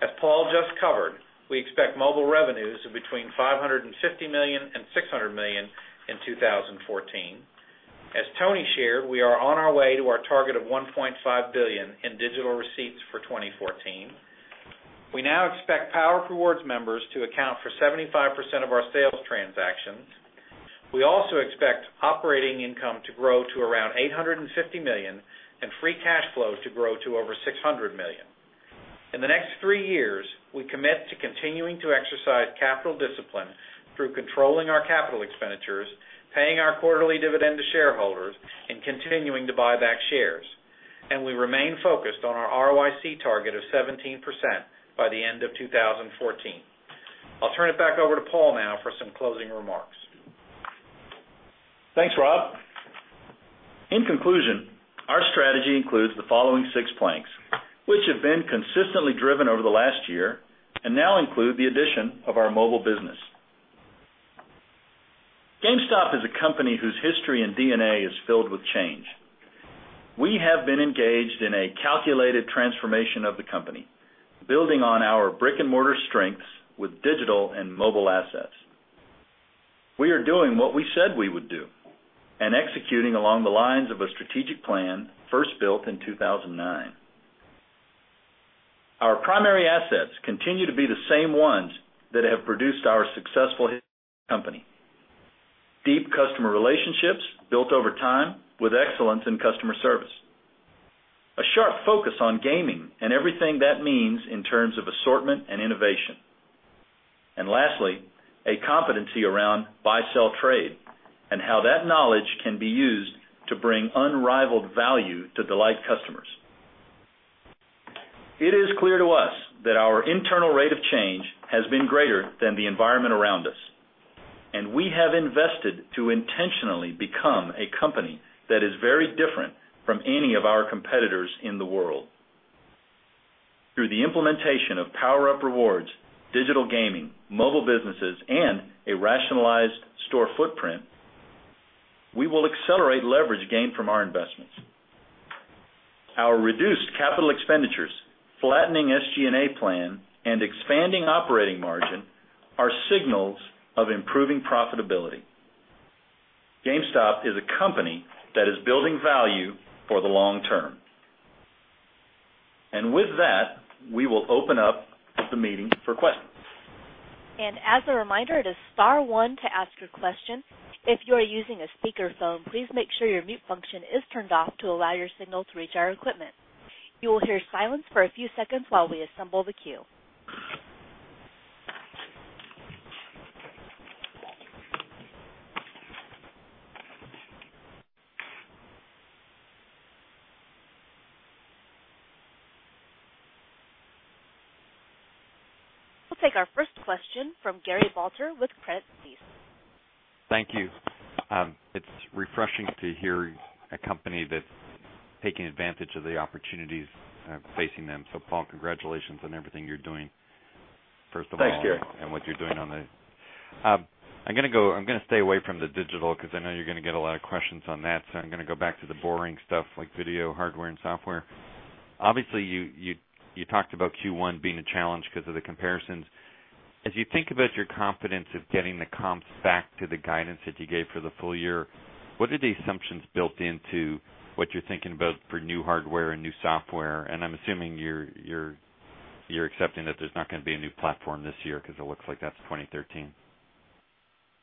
As Paul just covered, we expect mobile revenues of between $550 million and $600 million in 2014. As Tony shared, we are on our way to our target of $1.5 billion in digital receipts for 2014. We now expect PowerUp Rewards members to account for 75% of our sales transactions. We also expect operating income to grow to around $850 million and free cash flow to grow to over $600 million. In the next three years, we commit to continuing to exercise capital discipline through controlling our capital expenditures, paying our quarterly dividend to shareholders, and continuing to buy back shares, and we remain focused on our ROIC target of 17% by the end of 2014. I'll turn it back over to Paul now for some closing remarks.
Thanks, Rob. In conclusion, our strategy includes the following six planks, which have been consistently driven over the last year and now include the addition of our mobile business. GameStop is a company whose history and DNA is filled with change. We have been engaged in a calculated transformation of the company, building on our brick-and-mortar strengths with digital and mobile assets. We are doing what we said we would do and executing along the lines of a strategic plan first built in 2009. Our primary assets continue to be the same ones that have produced our successful company: deep customer relationships built over time with excellence in customer service, a sharp focus on gaming and everything that means in terms of assortment and innovation, and lastly, a competency around buy-sell trade and how that knowledge can be used to bring unrivaled value to delight customers. It is clear to us that our internal rate of change has been greater than the environment around us, and we have invested to intentionally become a company that is very different from any of our competitors in the world. Through the implementation of PowerUp Rewards, digital gaming, mobile businesses, and a rationalized store footprint, we will accelerate leverage gained from our investments. Our reduced capital expenditures, flattening SG&A plan, and expanding operating margin are signals of improving profitability. GameStop is a company that is building value for the long term. With that, we will open up the meeting for questions.
As a reminder, it is star one to ask your question. If you are using a speakerphone, please make sure your mute function is turned off to allow your signal to reach our equipment. You will hear silence for a few seconds while we assemble the queue. We'll take our first question from Gary Balter with Credit Suisse.
Thank you. It's refreshing to hear a company that's taking advantage of the opportunities facing them. Paul, congratulations on everything you're doing, first of all.
Thanks, Gary.
What you're doing on the... I'm going to go, I'm going to stay away from the digital because I know you're going to get a lot of questions on that. I'm going to go back to the boring stuff like video hardware and software. Obviously, you talked about Q1 being a challenge because of the comparisons. As you think about your confidence of getting the comps back to the guidance that you gave for the full year, what are the assumptions built into what you're thinking about for new hardware and new software? I'm assuming you're accepting that there's not going to be a new platform this year because it looks like that's 2013.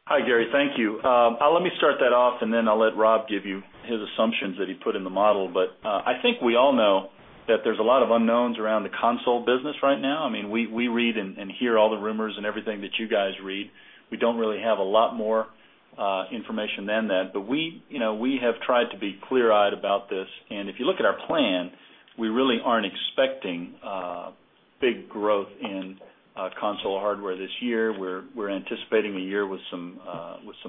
Hi, Gary. Thank you. Let me start that off, and then I'll let Rob give you his assumptions that he put in the model. I think we all know that there's a lot of unknowns around the console business right now. I mean, we read and hear all the rumors and everything that you guys read. We don't really have a lot more information than that, but we have tried to be clear-eyed about this. If you look at our plan, we really aren't expecting big growth in console hardware this year. We're anticipating a year with some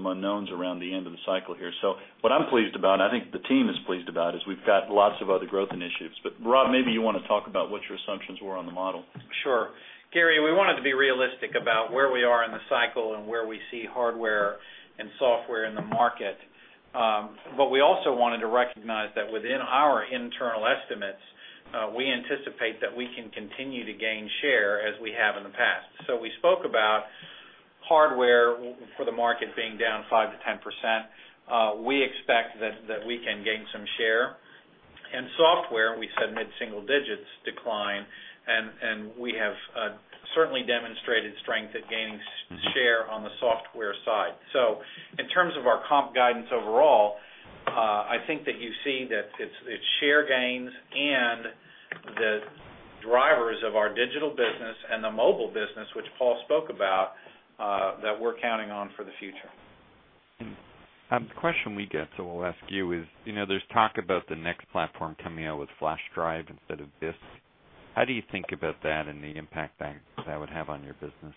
unknowns around the end of the cycle here. What I'm pleased about, and I think the team is pleased about, is we've got lots of other growth initiatives. Rob, maybe you want to talk about what your assumptions were on the model.
Sure. Gary, we wanted to be realistic about where we are in the cycle and where we see hardware and software in the market, but we also wanted to recognize that within our internal estimates, we anticipate that we can continue to gain share as we have in the past. We spoke about hardware for the market being down 5% to 10%. We expect that we can gain some share. Software, we said mid-single digits decline, and we have certainly demonstrated strength at gaining share on the software side. In terms of our comp guidance overall, I think that you see that it's share gains and the drivers of our digital business and the mobile business, which Paul spoke about, that we're counting on for the future.
The question we get that we'll ask you is, you know, there's talk about the next platform coming out with Flash Drive instead of disk. How do you think about that and the impact that would have on your business?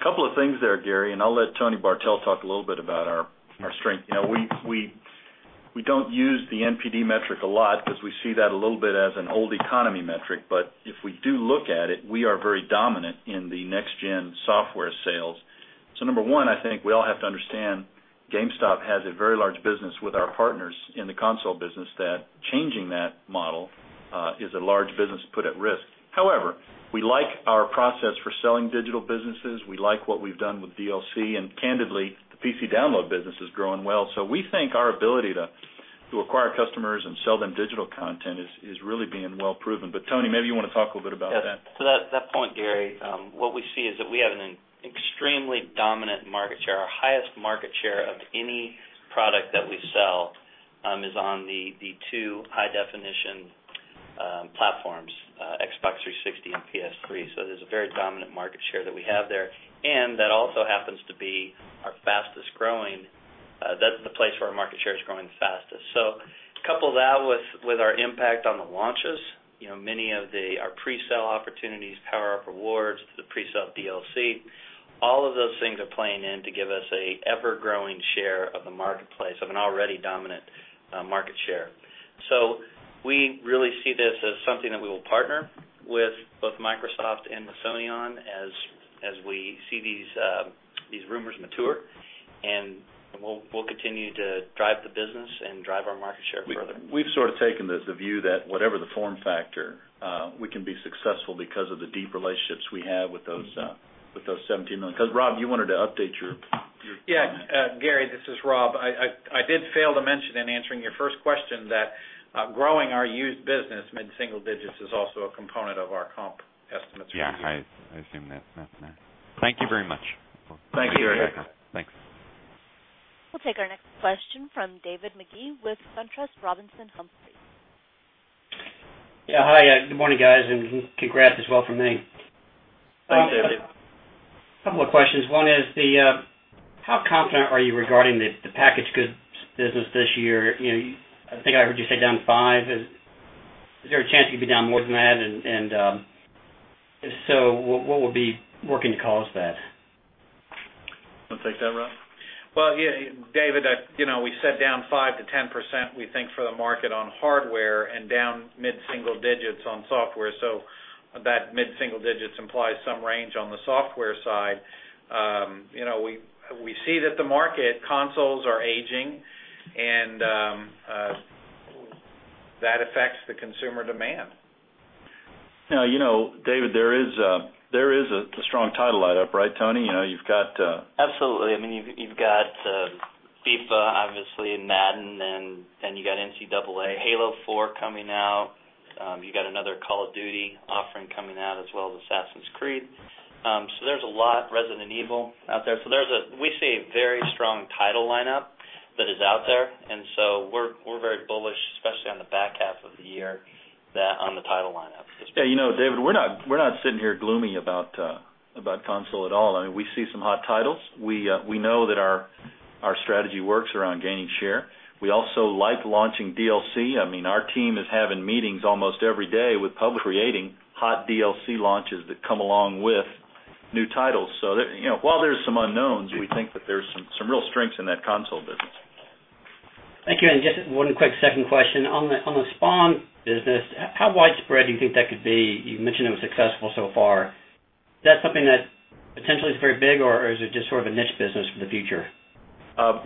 A couple of things there, Gary, and I'll let Tony Bartel talk a little bit about our strength. We don't use the NPD metric a lot because we see that a little bit as an old economy metric, but if we do look at it, we are very dominant in the next-gen software sales. Number one, I think we all have to understand GameStop has a very large business with our partners in the console business. Changing that model is a large business put at risk. However, we like our process for selling digital businesses. We like what we've done with DLC, and candidly, the PC download business is growing well. We think our ability to acquire customers and sell them digital content is really being well proven. Tony, maybe you want to talk a little bit about that.
Yeah. To that point, Gary, what we see is that we have an extremely dominant market share. Our highest market share of any product that we sell is on the two high-definition platforms, Xbox 360 and PS3. There's a very dominant market share that we have there, and that also happens to be our fastest growing, that's the place where our market share is growing fastest. Couple that with our impact on the launches, you know, many of our pre-sale opportunities, PowerUp Rewards, the pre-sale of DLC, all of those things are playing in to give us an ever-growing share of the marketplace of an already dominant market share. We really see this as something that we will partner with both Microsoft and Sony as we see these rumors mature, and we'll continue to drive the business and drive our market share further.
We've sort of taken this view that whatever the form factor, we can be successful because of the deep relationships we have with those 17 million. Because Rob, you wanted to update your...
Yeah, Gary, this is Rob. I did fail to mention in answering your first question that growing our used business mid-single digits is also a component of our comp estimates.
Yeah, I assumed that. Thank you very much.
Thank you, Gary.
Thanks.
We'll take our next question from David Magee with SunTrust Robinson Humphrey.
Yeah, hi. Good morning, guys, and congrats as well from me.
Thanks, David.
A couple of questions. One is, how confident are you regarding the packaged goods business this year? I think I heard you say down 5%. Is there a chance it could be down more than that? If so, what would be working to cause that?
I'll take that, Rob.
David, you know, we said down 5% to 10% we think for the market on hardware and down mid-single digits on software. That mid-single digits implies some range on the software side. You know, we see that the market consoles are aging, and that affects the consumer demand.
Now, you know, David, there is a strong title lineup, right, Tony? You know, you've got...
Absolutely. I mean, you've got FIFA, obviously, and Madden, and you've got NCAA, Halo 4 coming out. You've got another Call of Duty offering coming out as well as Assassin's Creed. There's a lot, Resident Evil out there. We see a very strong title lineup that is out there, and we're very bullish, especially on the back half of the year, on the title lineup.
Yeah, you know, David, we're not sitting here gloomy about console at all. I mean, we see some hot titles. We know that our strategy works around gaining share. We also like launching DLC. I mean, our team is having meetings almost every day with publishers creating hot DLC launches that come along with new titles. You know, while there's some unknowns, we think that there's some real strengths in that console business.
Thank you. Just one quick second question. On the Spawn business, how widespread do you think that could be? You mentioned it was successful so far. Is that something that potentially is very big, or is it just sort of a niche business for the future?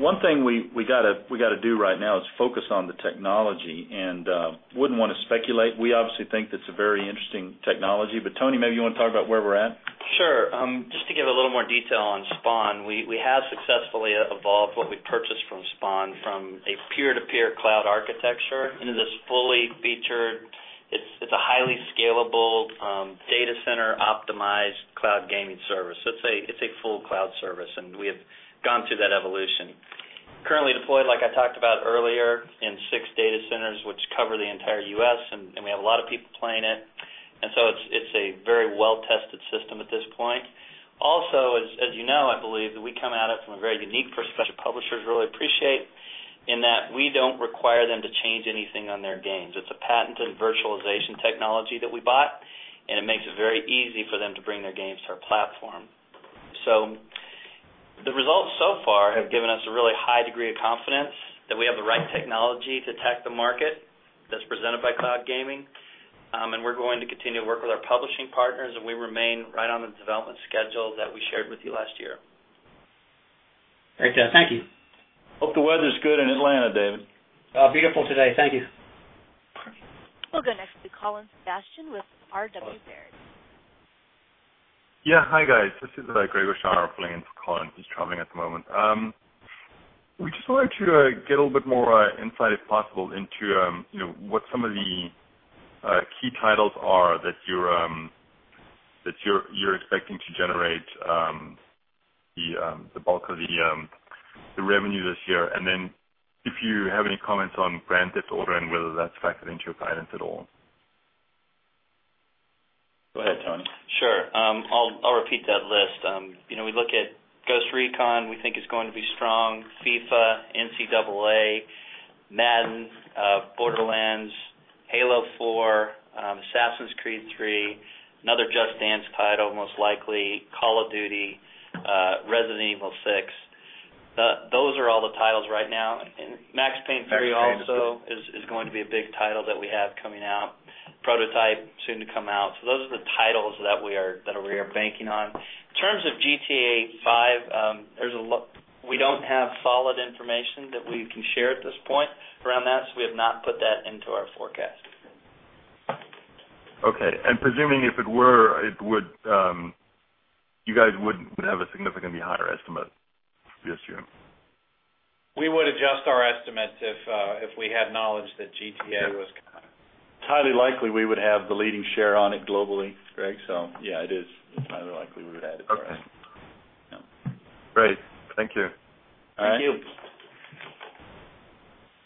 One thing we got to do right now is focus on the technology, and wouldn't want to speculate. We obviously think that's a very interesting technology, but Tony, maybe you want to talk about where we're at?
Sure. Just to give a little more detail on Spawn, we have successfully evolved what we purchased from Spawn from a peer-to-peer cloud architecture into this fully featured, highly scalable data center optimized cloud gaming service. It's a full cloud service, and we have gone through that evolution. Currently deployed, like I talked about earlier, in six data centers, which cover the entire U.S., we have a lot of people playing it. It's a very well-tested system at this point. Also, as you know, I believe that we come at it from a very unique perspective, which publishers really appreciate, in that we don't require them to change anything on their games. It's a patented virtualization technology that we bought, and it makes it very easy for them to bring their games to our platform. The results so far have given us a really high degree of confidence that we have the right technology to attack the market that's presented by cloud gaming, and we're going to continue to work with our publishing partners, and we remain right on the development schedule that we shared with you last year.
Great. Thank you.
Hope the weather's good in Atlanta, David.
Beautiful today. Thank you.
We'll go next to Colin Sebastian with RW Baird.
Yeah, hi guys. This is Gregor Schauer playing for Colin. He's traveling at the moment. We just wanted to get a little bit more insight, if possible, into what some of the key titles are that you're expecting to generate the bulk of the revenue this year, and if you have any comments on brand ordering, whether that's factored into your guidance at all.
Go ahead, Tony.
Sure. I'll repeat that list. You know, we look at Ghost Recon, we think is going to be strong, FIFA, NCAA, Madden, Borderlands, Halo 4, Assassin's Creed 3, another Just Dance title, most likely, Call of Duty, Resident Evil 6. Those are all the titles right now. Max Payne 3 also is going to be a big title that we have coming out, Prototype soon to come out. Those are the titles that we are banking on. In terms of GTA 5, we don't have solid information that we can share at this point around that, so we have not put that into our forecast.
Okay. If it were, you guys would have a significantly higher estimate this year?
We would adjust our estimates if we had knowledge that GTA was coming.
highly likely we would have the leading share on it globally, Greg. Yeah, it is highly likely we would add it to our estimate.
Great, thank you.
All right.
Thank you.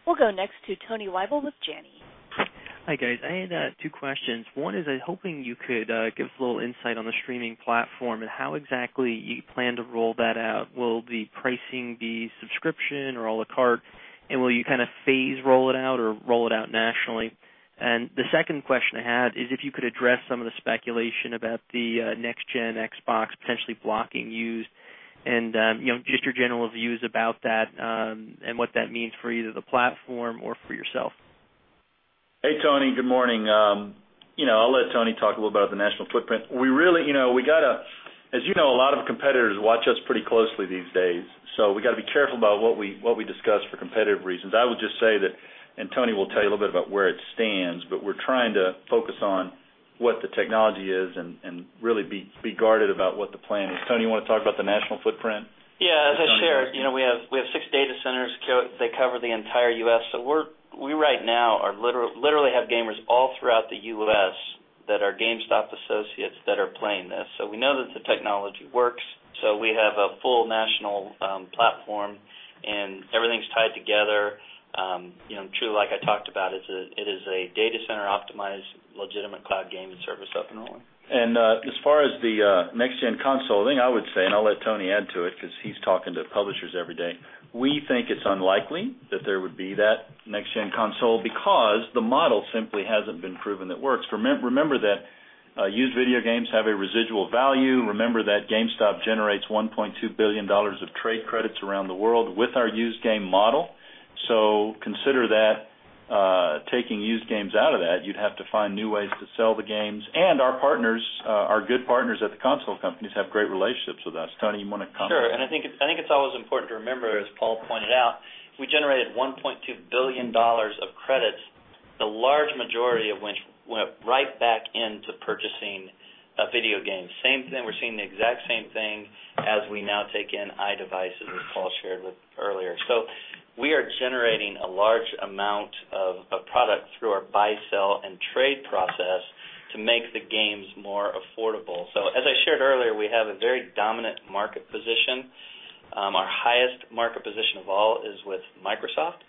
We'll go next to Tony Wible with Janney.
Hi guys. I had two questions. One is, I was hoping you could give us a little insight on the streaming platform and how exactly you plan to roll that out. Will the pricing be subscription or a la carte, and will you phase roll it out or roll it out nationally? The second question I had is if you could address some of the speculation about the next-gen Xbox potentially blocking use, and just your general views about that and what that means for either the platform or for yourself?
Hey Tony, good morning. I'll let Tony talk a little about the national footprint. As you know, a lot of competitors watch us pretty closely these days, so we have to be careful about what we discuss for competitive reasons. I would just say that Tony will tell you a little bit about where it stands, but we're trying to focus on what the technology is and really be guarded about what the plan is. Tony, you want to talk about the national footprint?
As I shared, we have six data centers. They cover the entire U.S. We right now literally have gamers all throughout the U.S. that are GameStop associates that are playing this. We know that the technology works. We have a full national platform, and everything's tied together. Truly, like I talked about, it is a data center optimized legitimate cloud gaming service up and rolling.
As far as the next-gen console thing, I would say, and I'll let Tony add to it because he's talking to publishers every day, we think it's unlikely that there would be that next-gen console because the model simply hasn't been proven that works. Remember that used video games have a residual value. Remember that GameStop generates $1.2 billion of trade credits around the world with our used game model. Consider that taking used games out of that, you'd have to find new ways to sell the games, and our partners, our good partners at the console companies have great relationships with us. Tony, you want to comment?
Sure. I think it's always important to remember, as Paul pointed out, we generated $1.2 billion of credits, the large majority of which went right back into purchasing video games. We're seeing the exact same thing as we now take in iDevices, as Paul shared earlier. We are generating a large amount of product through our buy-sell and trade process to make the games more affordable. As I shared earlier, we have a very dominant market position. Our highest market position of all is with Microsoft,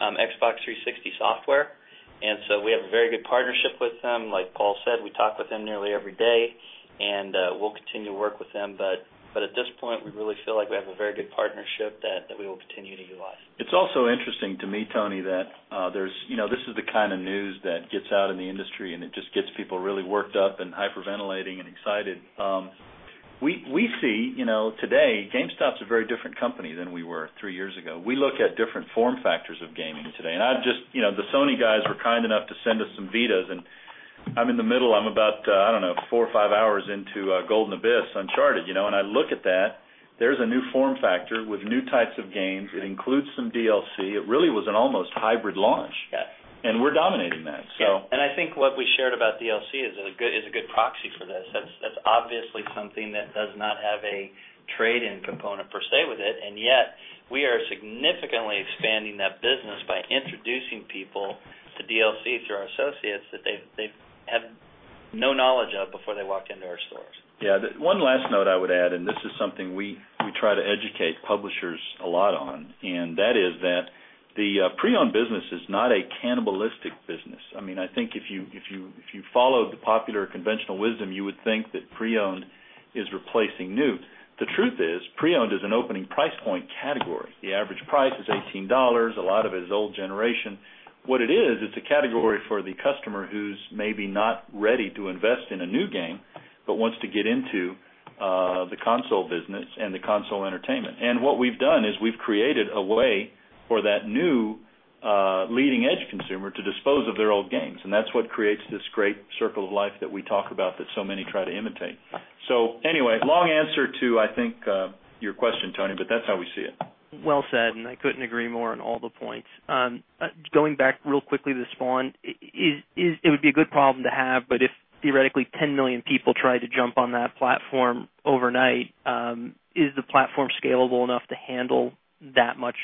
Xbox 360 Software. We have a very good partnership with them. Like Paul said, we talk with them nearly every day, and we'll continue to work with them. At this point, we really feel like we have a very good partnership that we will continue to utilize.
It's also interesting to me, Tony, that this is the kind of news that gets out in the industry, and it just gets people really worked up, hyperventilating, and excited. We see today, GameStop's a very different company than we were three years ago. We look at different form factors of gaming today. The Sony guys were kind enough to send us some Vitas, and I'm in the middle, I'm about, I don't know, four or five hours into Golden Abyss, Uncharted, and I look at that, there's a new form factor with new types of games. It includes some DLC. It really was an almost hybrid launch.
Yeah.
We are dominating that.
Yeah, I think what we shared about DLC is a good proxy for this. That's obviously something that does not have a trade-in component per se with it, yet we are significantly expanding that business by introducing people to DLC through our associates that they have no knowledge of before they walk into our stores.
Yeah. One last note I would add, and this is something we try to educate publishers a lot on, is that the pre-owned business is not a cannibalistic business. I mean, I think if you followed the popular conventional wisdom, you would think that pre-owned is replacing new. The truth is, pre-owned is an opening price point category. The average price is $18, a lot of it is old generation. It is a category for the customer who's maybe not ready to invest in a new game but wants to get into the console business and the console entertainment. What we've done is we've created a way for that new leading edge consumer to dispose of their old games, and that's what creates this great circle of life that we talk about that so many try to imitate. Anyway, long answer to, I think, your question, Tony, but that's how we see it.
I couldn't agree more on all the points. Going back real quickly to Spawn, it would be a good problem to have, but if theoretically 10 million people tried to jump on that platform overnight, is the platform scalable enough to handle that much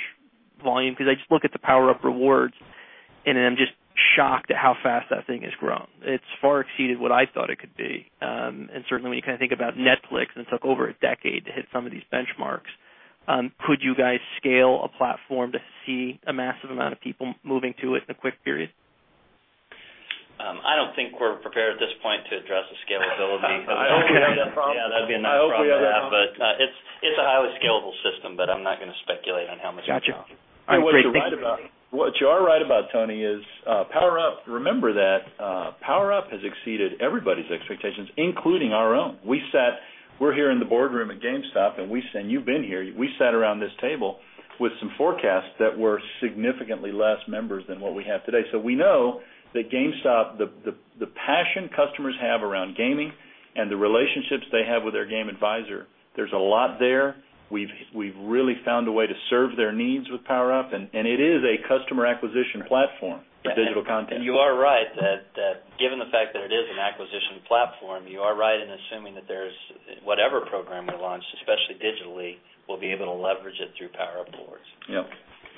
volume? I just look at the PowerUp Rewards, and I'm just shocked at how fast that thing has grown. It's far exceeded what I thought it could be. Certainly, when you kind of think about Netflix, it took over a decade to hit some of these benchmarks. Could you guys scale a platform to see a massive amount of people moving to it in a quick period?
I don't think we're prepared at this point to address the scalability of the platform.
I hope we have that problem.
It's a highly scalable system, but I'm not going to speculate on how much it's going to grow.
Gotcha.
What's great about what you are right about, Tony, is PowerUp. Remember that PowerUp has exceeded everybody's expectations, including our own. We sat, we're here in the boardroom at GameStop, and we sat, and you've been here, we sat around this table with some forecasts that were significantly less members than what we have today. We know that GameStop, the passion customers have around gaming and the relationships they have with their game advisor, there's a lot there. We've really found a way to serve their needs with PowerUp, and it is a customer acquisition platform for digital content.
You are right that given the fact that it is an acquisition platform, you are right in assuming that whatever program we launch, especially digitally, we'll be able to leverage it through PowerUp Rewards.
Yep.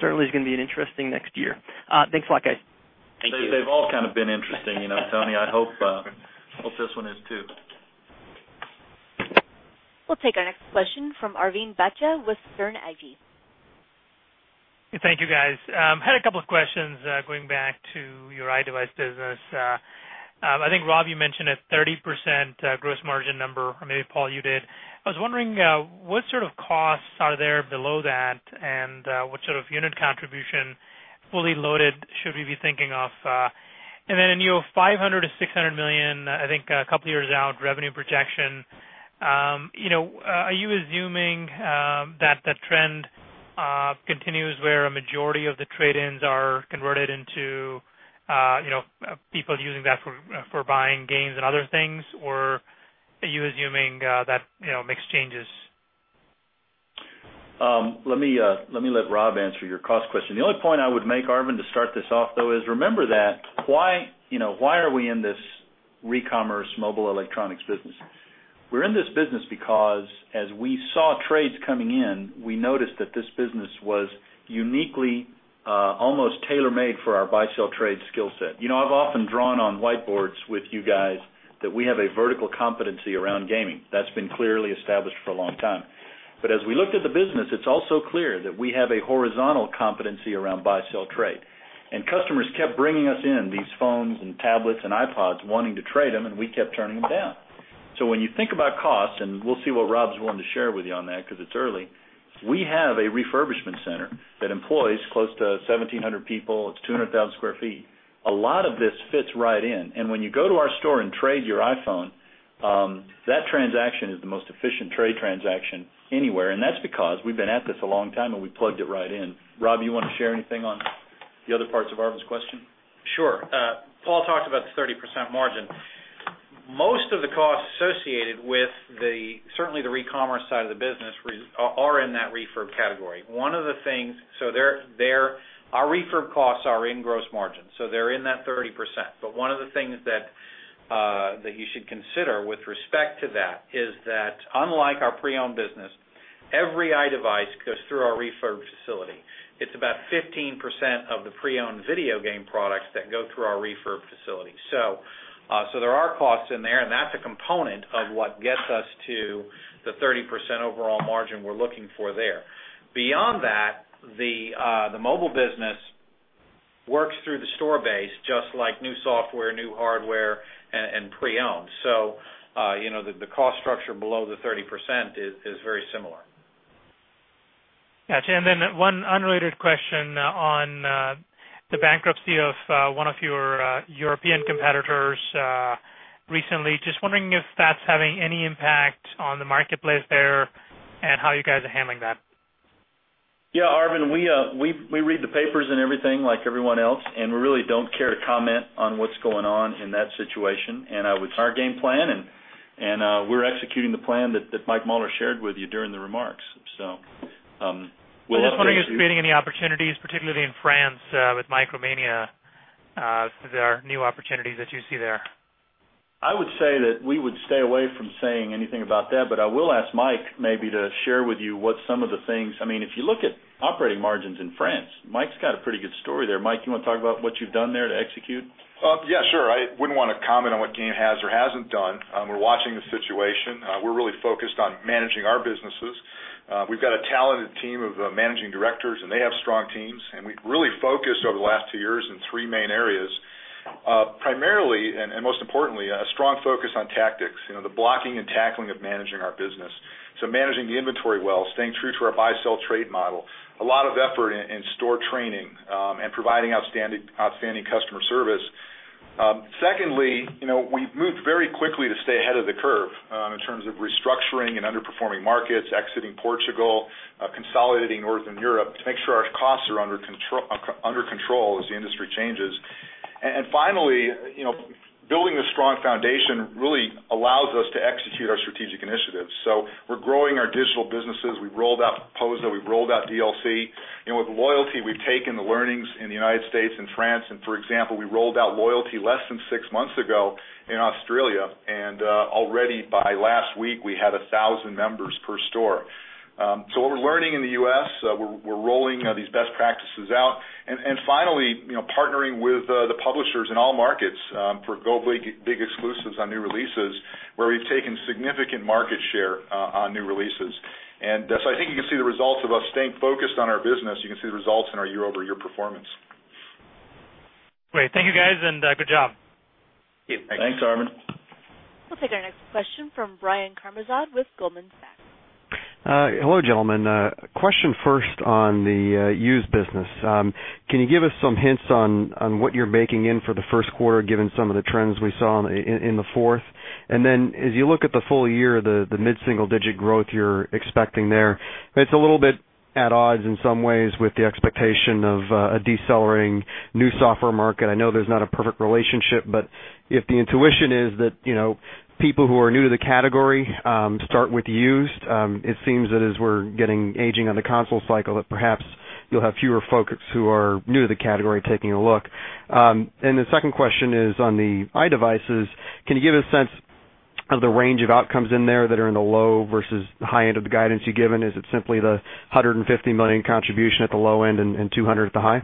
Certainly, it's going to be an interesting next year. Thanks a lot, guys.
Thank you.
They've all kind of been interesting, you know, Tony. I hope this one is too.
We'll take our next question from Arvind Bhatia with Sterne Agee.
Hey, thank you guys. I had a couple of questions going back to your iDevice business. I think, Rob, you mentioned a 30% gross margin number, or maybe Paul, you did. I was wondering, what sort of costs are there below that, and what sort of unit contribution fully loaded should we be thinking of? You know, $500 to $600 million, I think a couple of years out, revenue projection. Are you assuming that that trend continues where a majority of the trade-ins are converted into people using that for buying games and other things, or are you assuming that mix changes?
Let me let Rob answer your cost question. The only point I would make, Arvin, to start this off though is remember that. Why, you know, why are we in this re-commerce mobile electronics business? We're in this business because as we saw trades coming in, we noticed that this business was uniquely almost tailor-made for our buy-sell trade skill set. I've often drawn on whiteboards with you guys that we have a vertical competency around gaming. That's been clearly established for a long time. As we looked at the business, it's also clear that we have a horizontal competency around buy-sell trade. Customers kept bringing us in these phones and tablets and iPods wanting to trade on. kept turning them down. When you think about costs, and we'll see what Rob's willing to share with you on that because it's early, we have a refurbishment center that employs close to 1,700 people. It's 200,000 square feet. A lot of this fits right in. When you go to our store and trade your iPhone, that transaction is the most efficient trade transaction anywhere. That's because we've been at this a long time, and we plugged it right in. Rob, you want to share anything on the other parts of Arvind's question?
Sure. Paul talked about the 30% margin. Most of the costs associated with certainly the recommerce side of the business are in that refurb category. One of the things, our refurb costs are in gross margins, so they're in that 30%. One of the things that you should consider with respect to that is that, unlike our pre-owned business, every iDevice goes through our refurb facility. It's about 15% of the pre-owned video game products that go through our refurb facility. There are costs in there, and that's a component of what gets us to the 30% overall margin we're looking for there. Beyond that, the mobile business works through the store base, just like new software, new hardware, and pre-owned. The cost structure below the 30% is very similar.
Gotcha. One unrelated question on the bankruptcy of one of your European competitors recently. Just wondering if that's having any impact on the marketplace there and how you guys are handling that.
Yeah, Arvin, we read the papers and everything like everyone else, and we really don't care to comment on what's going on in that situation. Our game plan, and we're executing the plan that Mike Mauler shared with you during the remarks.
We're just wondering if there's any opportunities, particularly in France with Micromania, there are new opportunities that you see there.
I would say that we would stay away from saying anything about that, but I will ask Mike maybe to share with you what some of the things, I mean, if you look at operating margins in France, Mike's got a pretty good story there. Mike, you want to talk about what you've done there to execute?
Yeah, sure. I wouldn't want to comment on what GAME has or hasn't done. We're watching the situation. We're really focused on managing our businesses. We've got a talented team of Managing Directors, and they have strong teams. We've really focused over the last two years in three main areas, primarily, and most importantly, a strong focus on tactics, the blocking and tackling of managing our business. Managing the inventory well, staying true to our buy-sell trade model, a lot of effort in store training, and providing outstanding customer service. Secondly, we've moved very quickly to stay ahead of the curve in terms of restructuring in underperforming markets, exiting Portugal, consolidating Northern Europe to make sure our costs are under control as the industry changes. Finally, building a strong foundation really allows us to execute our strategic initiatives. We're growing our digital businesses. We rolled out Proza. We've rolled out DLC. With loyalty, we've taken the learnings in the United States and France. For example, we rolled out loyalty less than six months ago in Australia, and already by last week, we had 1,000 members per store. What we're learning in the U.S., we're rolling these best practices out. Finally, partnering with the publishers in all markets for globally big exclusives on new releases, where we've taken significant market share on new releases. I think you can see the results of us staying focused on our business. You can see the results in our year-over-year performance.
Great. Thank you, guys, and good job.
Thanks, Arvind.
We'll take our next question from Brian Karimzad with Goldman Sachs.
Hello, gentlemen. Question first on the pre-owned business. Can you give us some hints on what you're making in for the first quarter, given some of the trends we saw in the fourth? As you look at the full year, the mid-single-digit growth you're expecting there is a little bit at odds in some ways with the expectation of a decelerating new software market. I know there's not a perfect relationship, but if the intuition is that people who are new to the category start with pre-owned, it seems that as we're getting aging on the console cycle, perhaps you'll have fewer folks who are new to the category taking a look. The second question is on the iDevices. Can you give us a sense of the range of outcomes in there that are in the low versus the high end of the guidance you've given? Is it simply the $150 million contribution at the low end and $200 million at the high?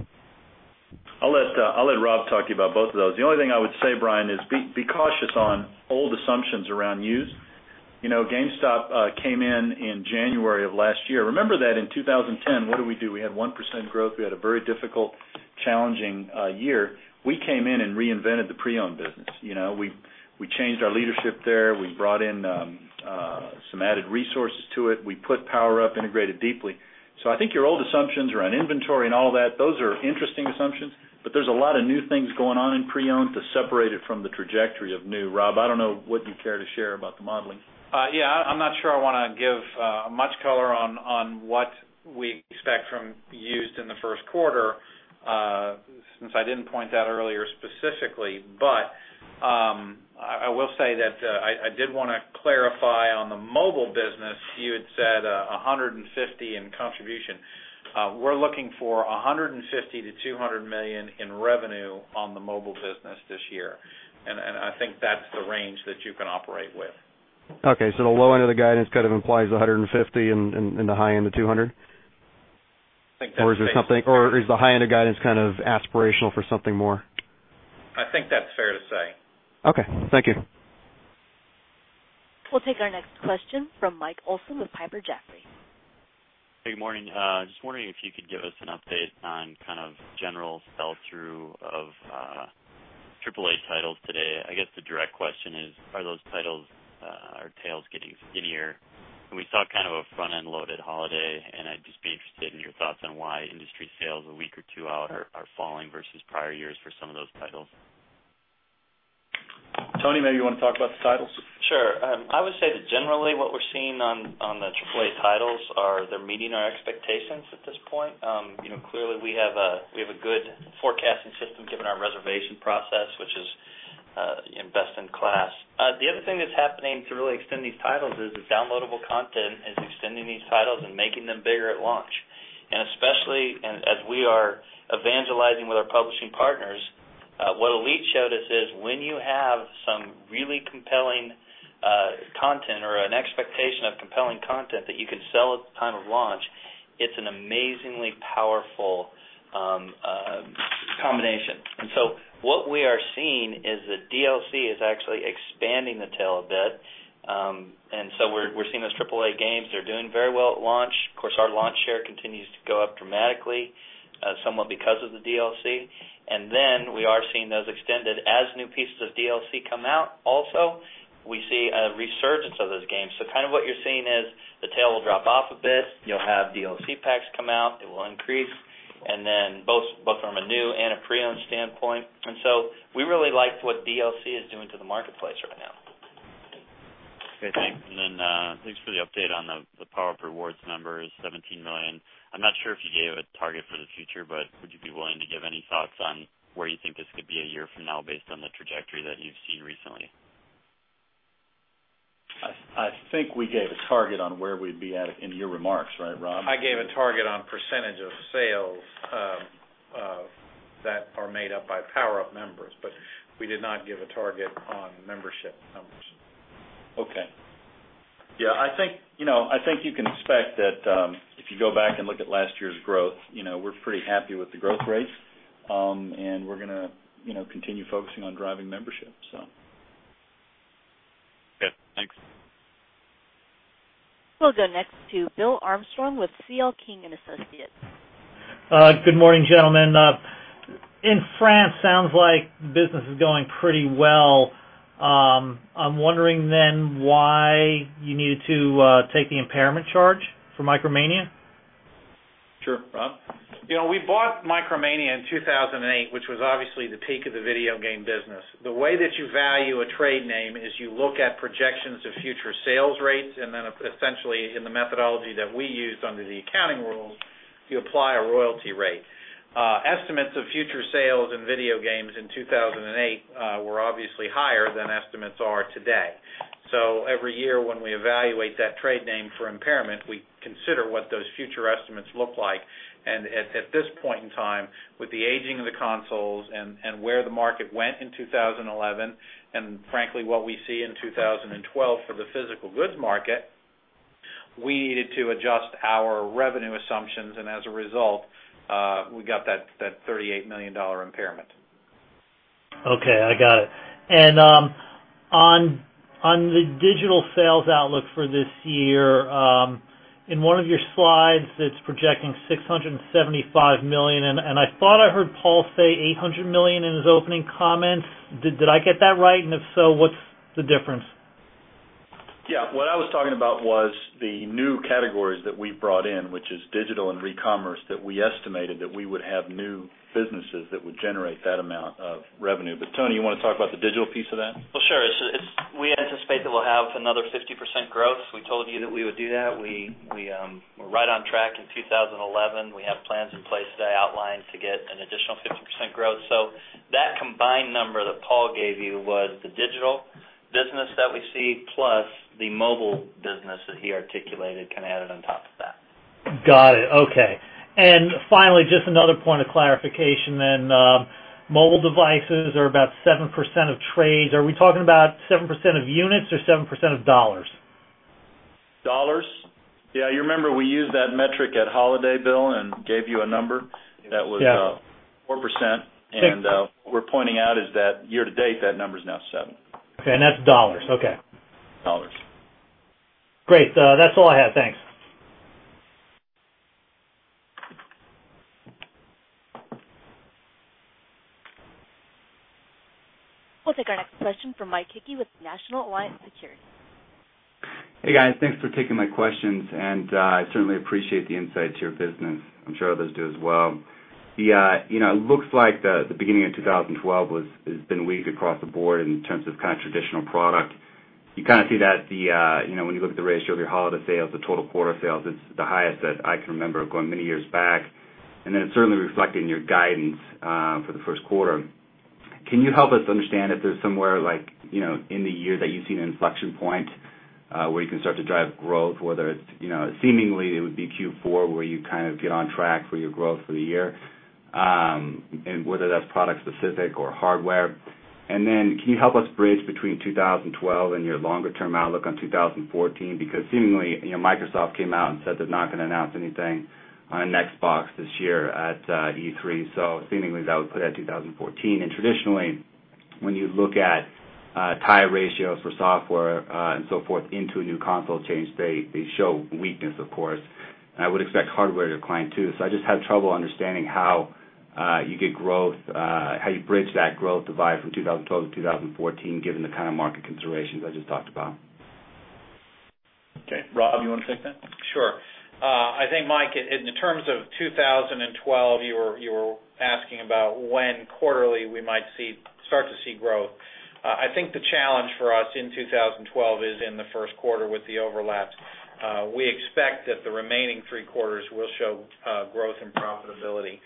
I'll let Rob talk to you about both of those. The only thing I would say, Brian, is be cautious on old assumptions around use. GameStop came in in January of last year. Remember that in 2010? What did we do? We had 1% growth. We had a very difficult, challenging year. We came in and reinvented the pre-owned business. We changed our leadership there. We brought in some added resources to it. We put PowerUp integrated deeply. I think your old assumptions around inventory and all that, those are interesting assumptions. There are a lot of new things going on in pre-owned to separate it from the trajectory of new. Rob, I don't know what you care to share about the modeling.
I'm not sure I want to give much color on what we expect from used in the first quarter, since I didn't point that earlier specifically. I will say that I did want to clarify on the mobile business. You had said $150 million in contribution. We're looking for $150 million to $200 million in revenue on the mobile business this year. I think that's the range that you can operate with.
OK, so the low end of the guidance kind of implies $150 million and the high end of $200 million? Is the high end of guidance kind of aspirational for something more?
I think that's fair to say.
OK, thank you.
We'll take our next question from Mike Olson with Piper Jaffray.
Hey, good morning. Just wondering if you could give us an update on kind of general sell-through of AAA titles today. I guess the direct question is, are those titles or tails getting skinnier? We saw kind of a front-end loaded holiday, and I'd just be interested in your thoughts on why industry sales a week or two out are falling versus prior years for some of those titles.
Tony, maybe you want to talk about the titles?
Sure. I would say that generally what we're seeing on the AAA titles are they're meeting our expectations at this point. Clearly, we have a good forecasting system given our reservation process, which is best in class. The other thing that's happening to really extend these titles is downloadable content is extending these titles and making them bigger at launch. Especially as we are evangelizing with our publishing partners, what Elite showed us is when you have some really compelling content or an expectation of compelling content that you can sell at the time of launch, it's an amazingly powerful combination. What we are seeing is that DLC is actually expanding the tale a bit. We're seeing those AAA games. They're doing very well at launch. Of course, our launch share continues to go up dramatically somewhat because of the DLC. We are seeing those extended as new pieces of DLC come out. Also, we see a resurgence of those games. What you're seeing is the tale will drop off a bit. You'll have DLC packs come out. It will increase, and then both from a new and a pre-owned standpoint. We really like what DLC is doing to the marketplace right now.
Thanks, Lee. Thanks for the update on the PowerUp Rewards members, $17 million. I'm not sure if you gave a target for the future, but would you be willing to give any thoughts on where you think this could be a year from now based on the trajectory that you've seen recently?
I think we gave a target on where we'd be at in your remarks, right, Rob?
I gave a target on percentage of sales that are made up by PowerUp members. We did not give a target on membership numbers.
Yeah, I think you can expect that if you go back and look at last year's growth, we're pretty happy with the growth rates. We're going to continue focusing on driving membership.
OK, thanks.
We'll go next to Bill Armstrong with CL King and Associates.
Good morning, gentlemen. In France, it sounds like the business is going pretty well. I'm wondering why you needed to take the impairment charge for Micromania.
Sure, Rob?
You know, we bought Micromania in 2008, which was obviously the peak of the video game business. The way that you value a trade name is you look at projections of future sales rates. Then essentially, in the methodology that we used under the accounting rules, you apply a royalty rate. Estimates of future sales in video games in 2008 were obviously higher than estimates are today. Every year when we evaluate that trade name for impairment, we consider what those future estimates look like. At this point in time, with the aging of the consoles and where the market went in 2011, and frankly what we see in 2012 for the physical goods market, we needed to adjust our revenue assumptions. As a result, we got that $38 million impairment.
OK, I got it. On the digital sales outlook for this year, in one of your slides, it's projecting $675 million. I thought I heard Paul say $800 million in his opening comments. Did I get that right? If so, what's the difference?
Yeah, what I was talking about was the new categories that we've brought in, which is digital and recommerce, that we estimated that we would have new businesses that would generate that amount of revenue. Tony, you want to talk about the digital piece of that?
We anticipate that we'll have another 50% growth. We told you that we would do that. We were right on track in 2011. We have plans in place today outlined to get an additional 50% growth. That combined number that Paul gave you was the digital business that we see plus the mobile business that he articulated kind of added on top of that.
Got it. OK. Finally, just another point of clarification then. Mobile devices are about 7% of trades. Are we talking about 7% of units or 7% of dollars?
Dollars. You remember we used that metric at holiday bill and gave you a number that was 4%. What we're pointing out is that year to date, that number is now 7%.
OK, and that's dollars. OK.
Dollars.
Great. That's all I have. Thanks.
We'll take our next question from Mike Hickey with National Alliance Securities.
Hey, guys. Thanks for taking my questions. I certainly appreciate the insight to your business. I'm sure others do as well. It looks like the beginning of 2012 has been weak across the board in terms of kind of traditional product. You see that when you look at the ratio of your holiday sales to total quarter sales, it's the highest that I can remember going many years back. It's certainly reflecting your guidance for the first quarter. Can you help us understand if there's somewhere in the year that you've seen an inflection point where you can start to drive growth, whether it's seemingly it would be Q4 where you get on track for your growth for the year, and whether that's product specific or hardware? Can you help us bridge between 2012 and your longer-term outlook on 2014? Seemingly, Microsoft came out and said they're not going to announce anything on Xbox this year at E3. Seemingly, that would put it at 2014. Traditionally, when you look at tie ratios for software and so forth into a new console change, they show weakness, of course. I would expect hardware to climb too. I just have trouble understanding how you get growth, how you bridge that growth divide from 2012 to 2014, given the kind of market considerations I just talked about.
OK, Rob, you want to take that?
Sure. I think, Mike, in terms of 2012, you were asking about when quarterly we might start to see growth. I think the challenge for us in 2012 is in the first quarter with the overlaps. We expect that the remaining three quarters will show growth in profitability.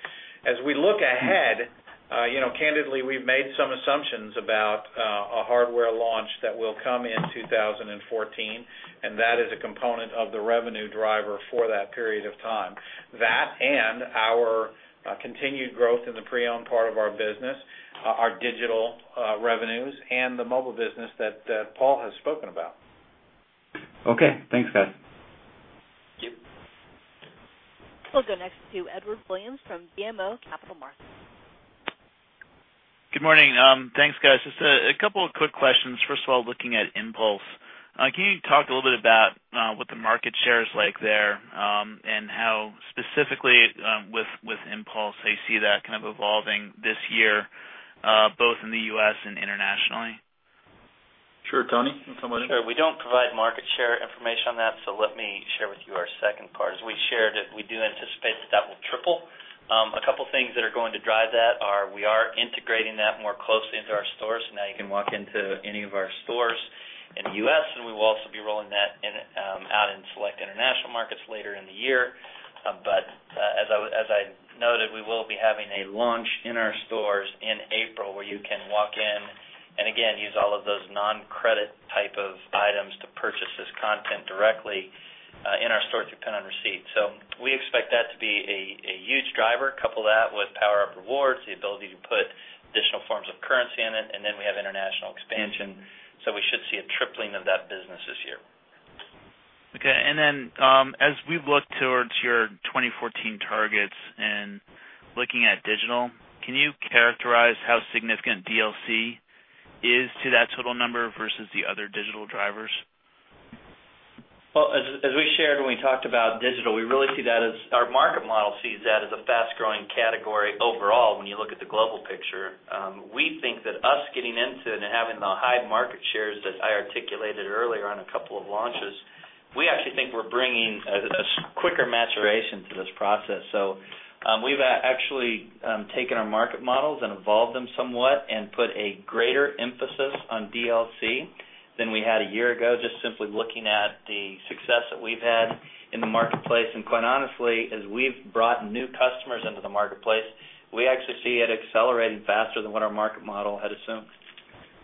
As we look ahead, candidly, we've made some assumptions about a hardware launch that will come in 2014. That is a component of the revenue driver for that period of time. That and our continued growth in the pre-owned part of our business, our digital revenues, and the mobile business that Paul has spoken about.
OK, thanks, guys.
Thank you.
We'll go next to Edward Williams from BMO Capital Markets.
Good morning. Thanks, guys. Just a couple of quick questions. First of all, looking at Impulse, can you talk a little bit about what the market share is like there and how specifically with Impulse I see that kind of evolving this year, both in the U.S. and internationally?
Sure, Tony?
Sure. We don't provide market share information on that. Let me share with you our second part. As we shared, we do anticipate that that will triple. A couple of things that are going to drive that are we are integrating that more closely into our stores. Now you can walk into any of our stores in the U.S., and we will also be rolling that out in select international markets later in the year. As I noted, we will be having a launch in our stores in April where you can walk in and, again, use all of those non-credit type of items to purchase this content directly in our stores depending on receipt. We expect that to be a huge driver. Couple that with PowerUp Rewards, the ability to put additional forms of currency in it, and then we have international expansion. We should see a tripling of that business this year.
OK. As we look towards your 2014 targets and looking at digital, can you characterize how significant DLC is to that total number versus the other digital drivers?
As we shared when we talked about digital, we really see that as our market model sees that as a fast-growing category overall when you look at the global picture. We think that us getting into it and having the high market shares that I articulated earlier on a couple of launches, we actually think we're bringing a quicker maturation to this process. We've actually taken our market models and evolved them somewhat and put a greater emphasis on DLC than we had a year ago, just simply looking at the success that we've had in the marketplace. Quite honestly, as we've brought new customers into the marketplace, we actually see it accelerating faster than what our market model had assumed.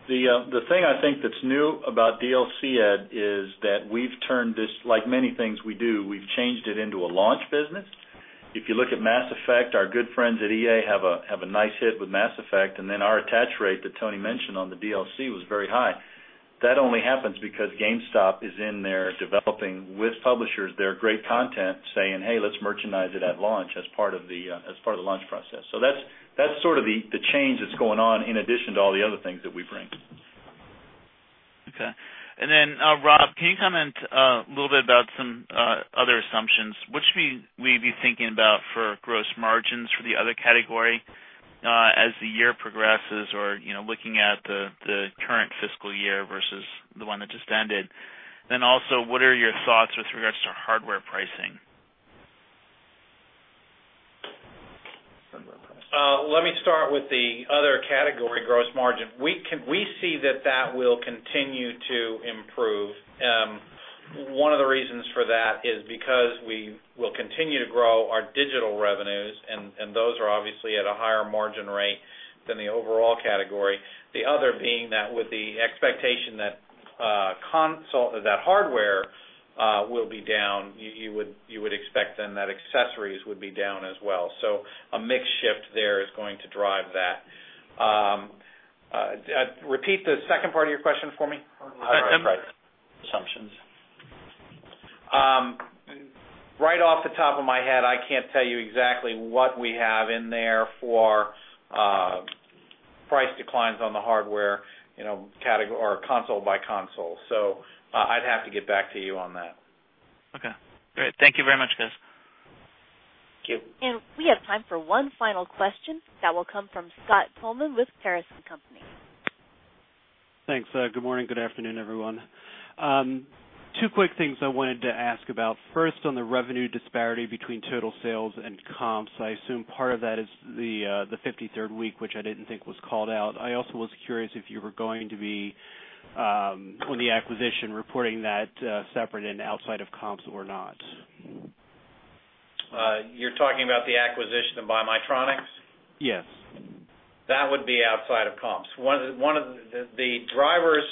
The thing I think that's new about DLC is that we've turned this, like many things we do, we've changed it into a launch business. If you look at Mass Effect, our good friends at EA have a nice hit with Mass Effect. Our attach rate that Tony Bartel mentioned on the DLC was very high. That only happens because GameStop is in there developing with publishers their great content, saying, hey, let's merchandise it at launch as part of the launch process. That's sort of the change that's going on in addition to all the other things that we bring.
OK. Rob, can you comment a little bit about some other assumptions? What should we be thinking about for gross margins for the other category as the year progresses or looking at the current fiscal year versus the one that just ended? Also, what are your thoughts with regards to hardware pricing?
Let me start with the other category, gross margin. We see that that will continue to improve. One of the reasons for that is because we will continue to grow our digital revenues. Those are obviously at a higher margin rate than the overall category, the other being that with the expectation that hardware will be down, you would expect then that accessories would be down as well. A mixed shift there is going to drive that. Repeat the second part of your question for me. Right off the top of my head, I can't tell you exactly what we have in there for price declines on the hardware or console by console. I'd have to get back to you on that.
OK, great. Thank you very much, guys.
Thank you.
We have time for one final question. That will come from Scott Tilghman with Caris & Company.
Thanks. Good morning. Good afternoon, everyone. Two quick things I wanted to ask about. First, on the revenue disparity between total sales and comps, I assume part of that is the 53rd week, which I didn't think was called out. I also was curious if you were going to be, on the acquisition, reporting that separate and outside of comps or not?
You're talking about the acquisition by BuyMyTronics.com?
Yes.
That would be outside of comps. One of the drivers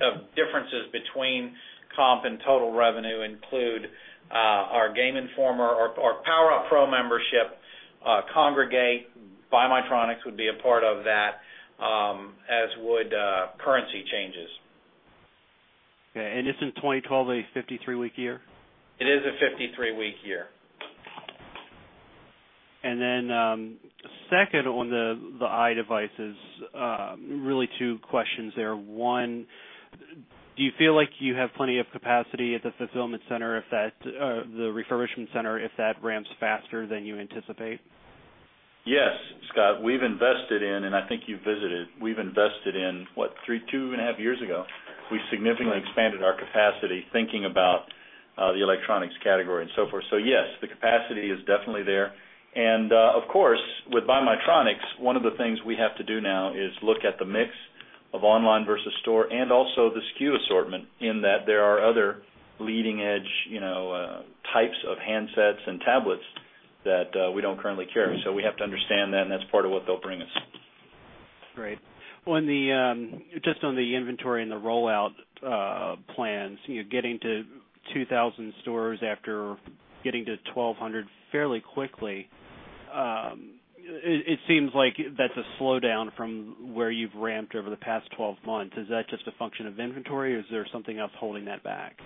of differences between comp and total revenue include our Game Informer, our PowerUp Rewards Pro membership, Kongregate, BuyMyTronics.com would be a part of that, as would currency changes.
OK. Is this in 2012, a 53-week year?
It is a 53-week year.
On the iDevices, really two questions there. One, do you feel like you have plenty of capacity at the fulfillment center, the refurbishment center, if that ramps faster than you anticipate?
Yes, Scott. We've invested in, and I think you visited, we've invested in, what, two and a half years ago, we significantly expanded our capacity thinking about the electronics category and so forth. Yes, the capacity is definitely there. Of course, with BuyMyTronics.com, one of the things we have to do now is look at the mix of online versus store and also the SKU assortment, in that there are other leading-edge types of handsets and tablets that we don't currently carry. We have to understand that. That's part of what they'll bring us.
Right. Just on the inventory and the rollout plans, getting to 2,000 stores after getting to 1,200 fairly quickly, it seems like that's a slowdown from where you've ramped over the past 12 months. Is that just a function of inventory? Is there something else holding that back?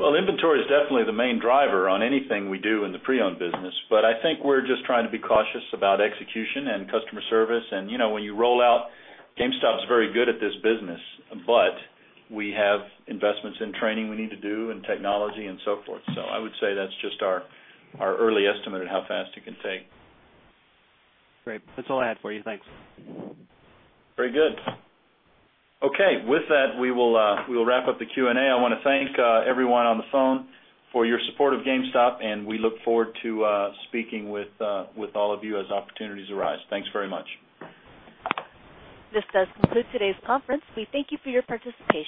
Inventory is definitely the main driver on anything we do in the pre-owned business. I think we're just trying to be cautious about execution and customer service. You know when you roll out, GameStop is very good at this business. We have investments in training we need to do and technology and so forth. I would say that's just our early estimate of how fast it can take.
Great. That's all I had for you. Thanks.
Very good. OK. With that, we will wrap up the Q&A. I want to thank everyone on the phone for your support of GameStop. We look forward to speaking with all of you as opportunities arise. Thanks very much.
This does conclude today's conference. We thank you for your participation.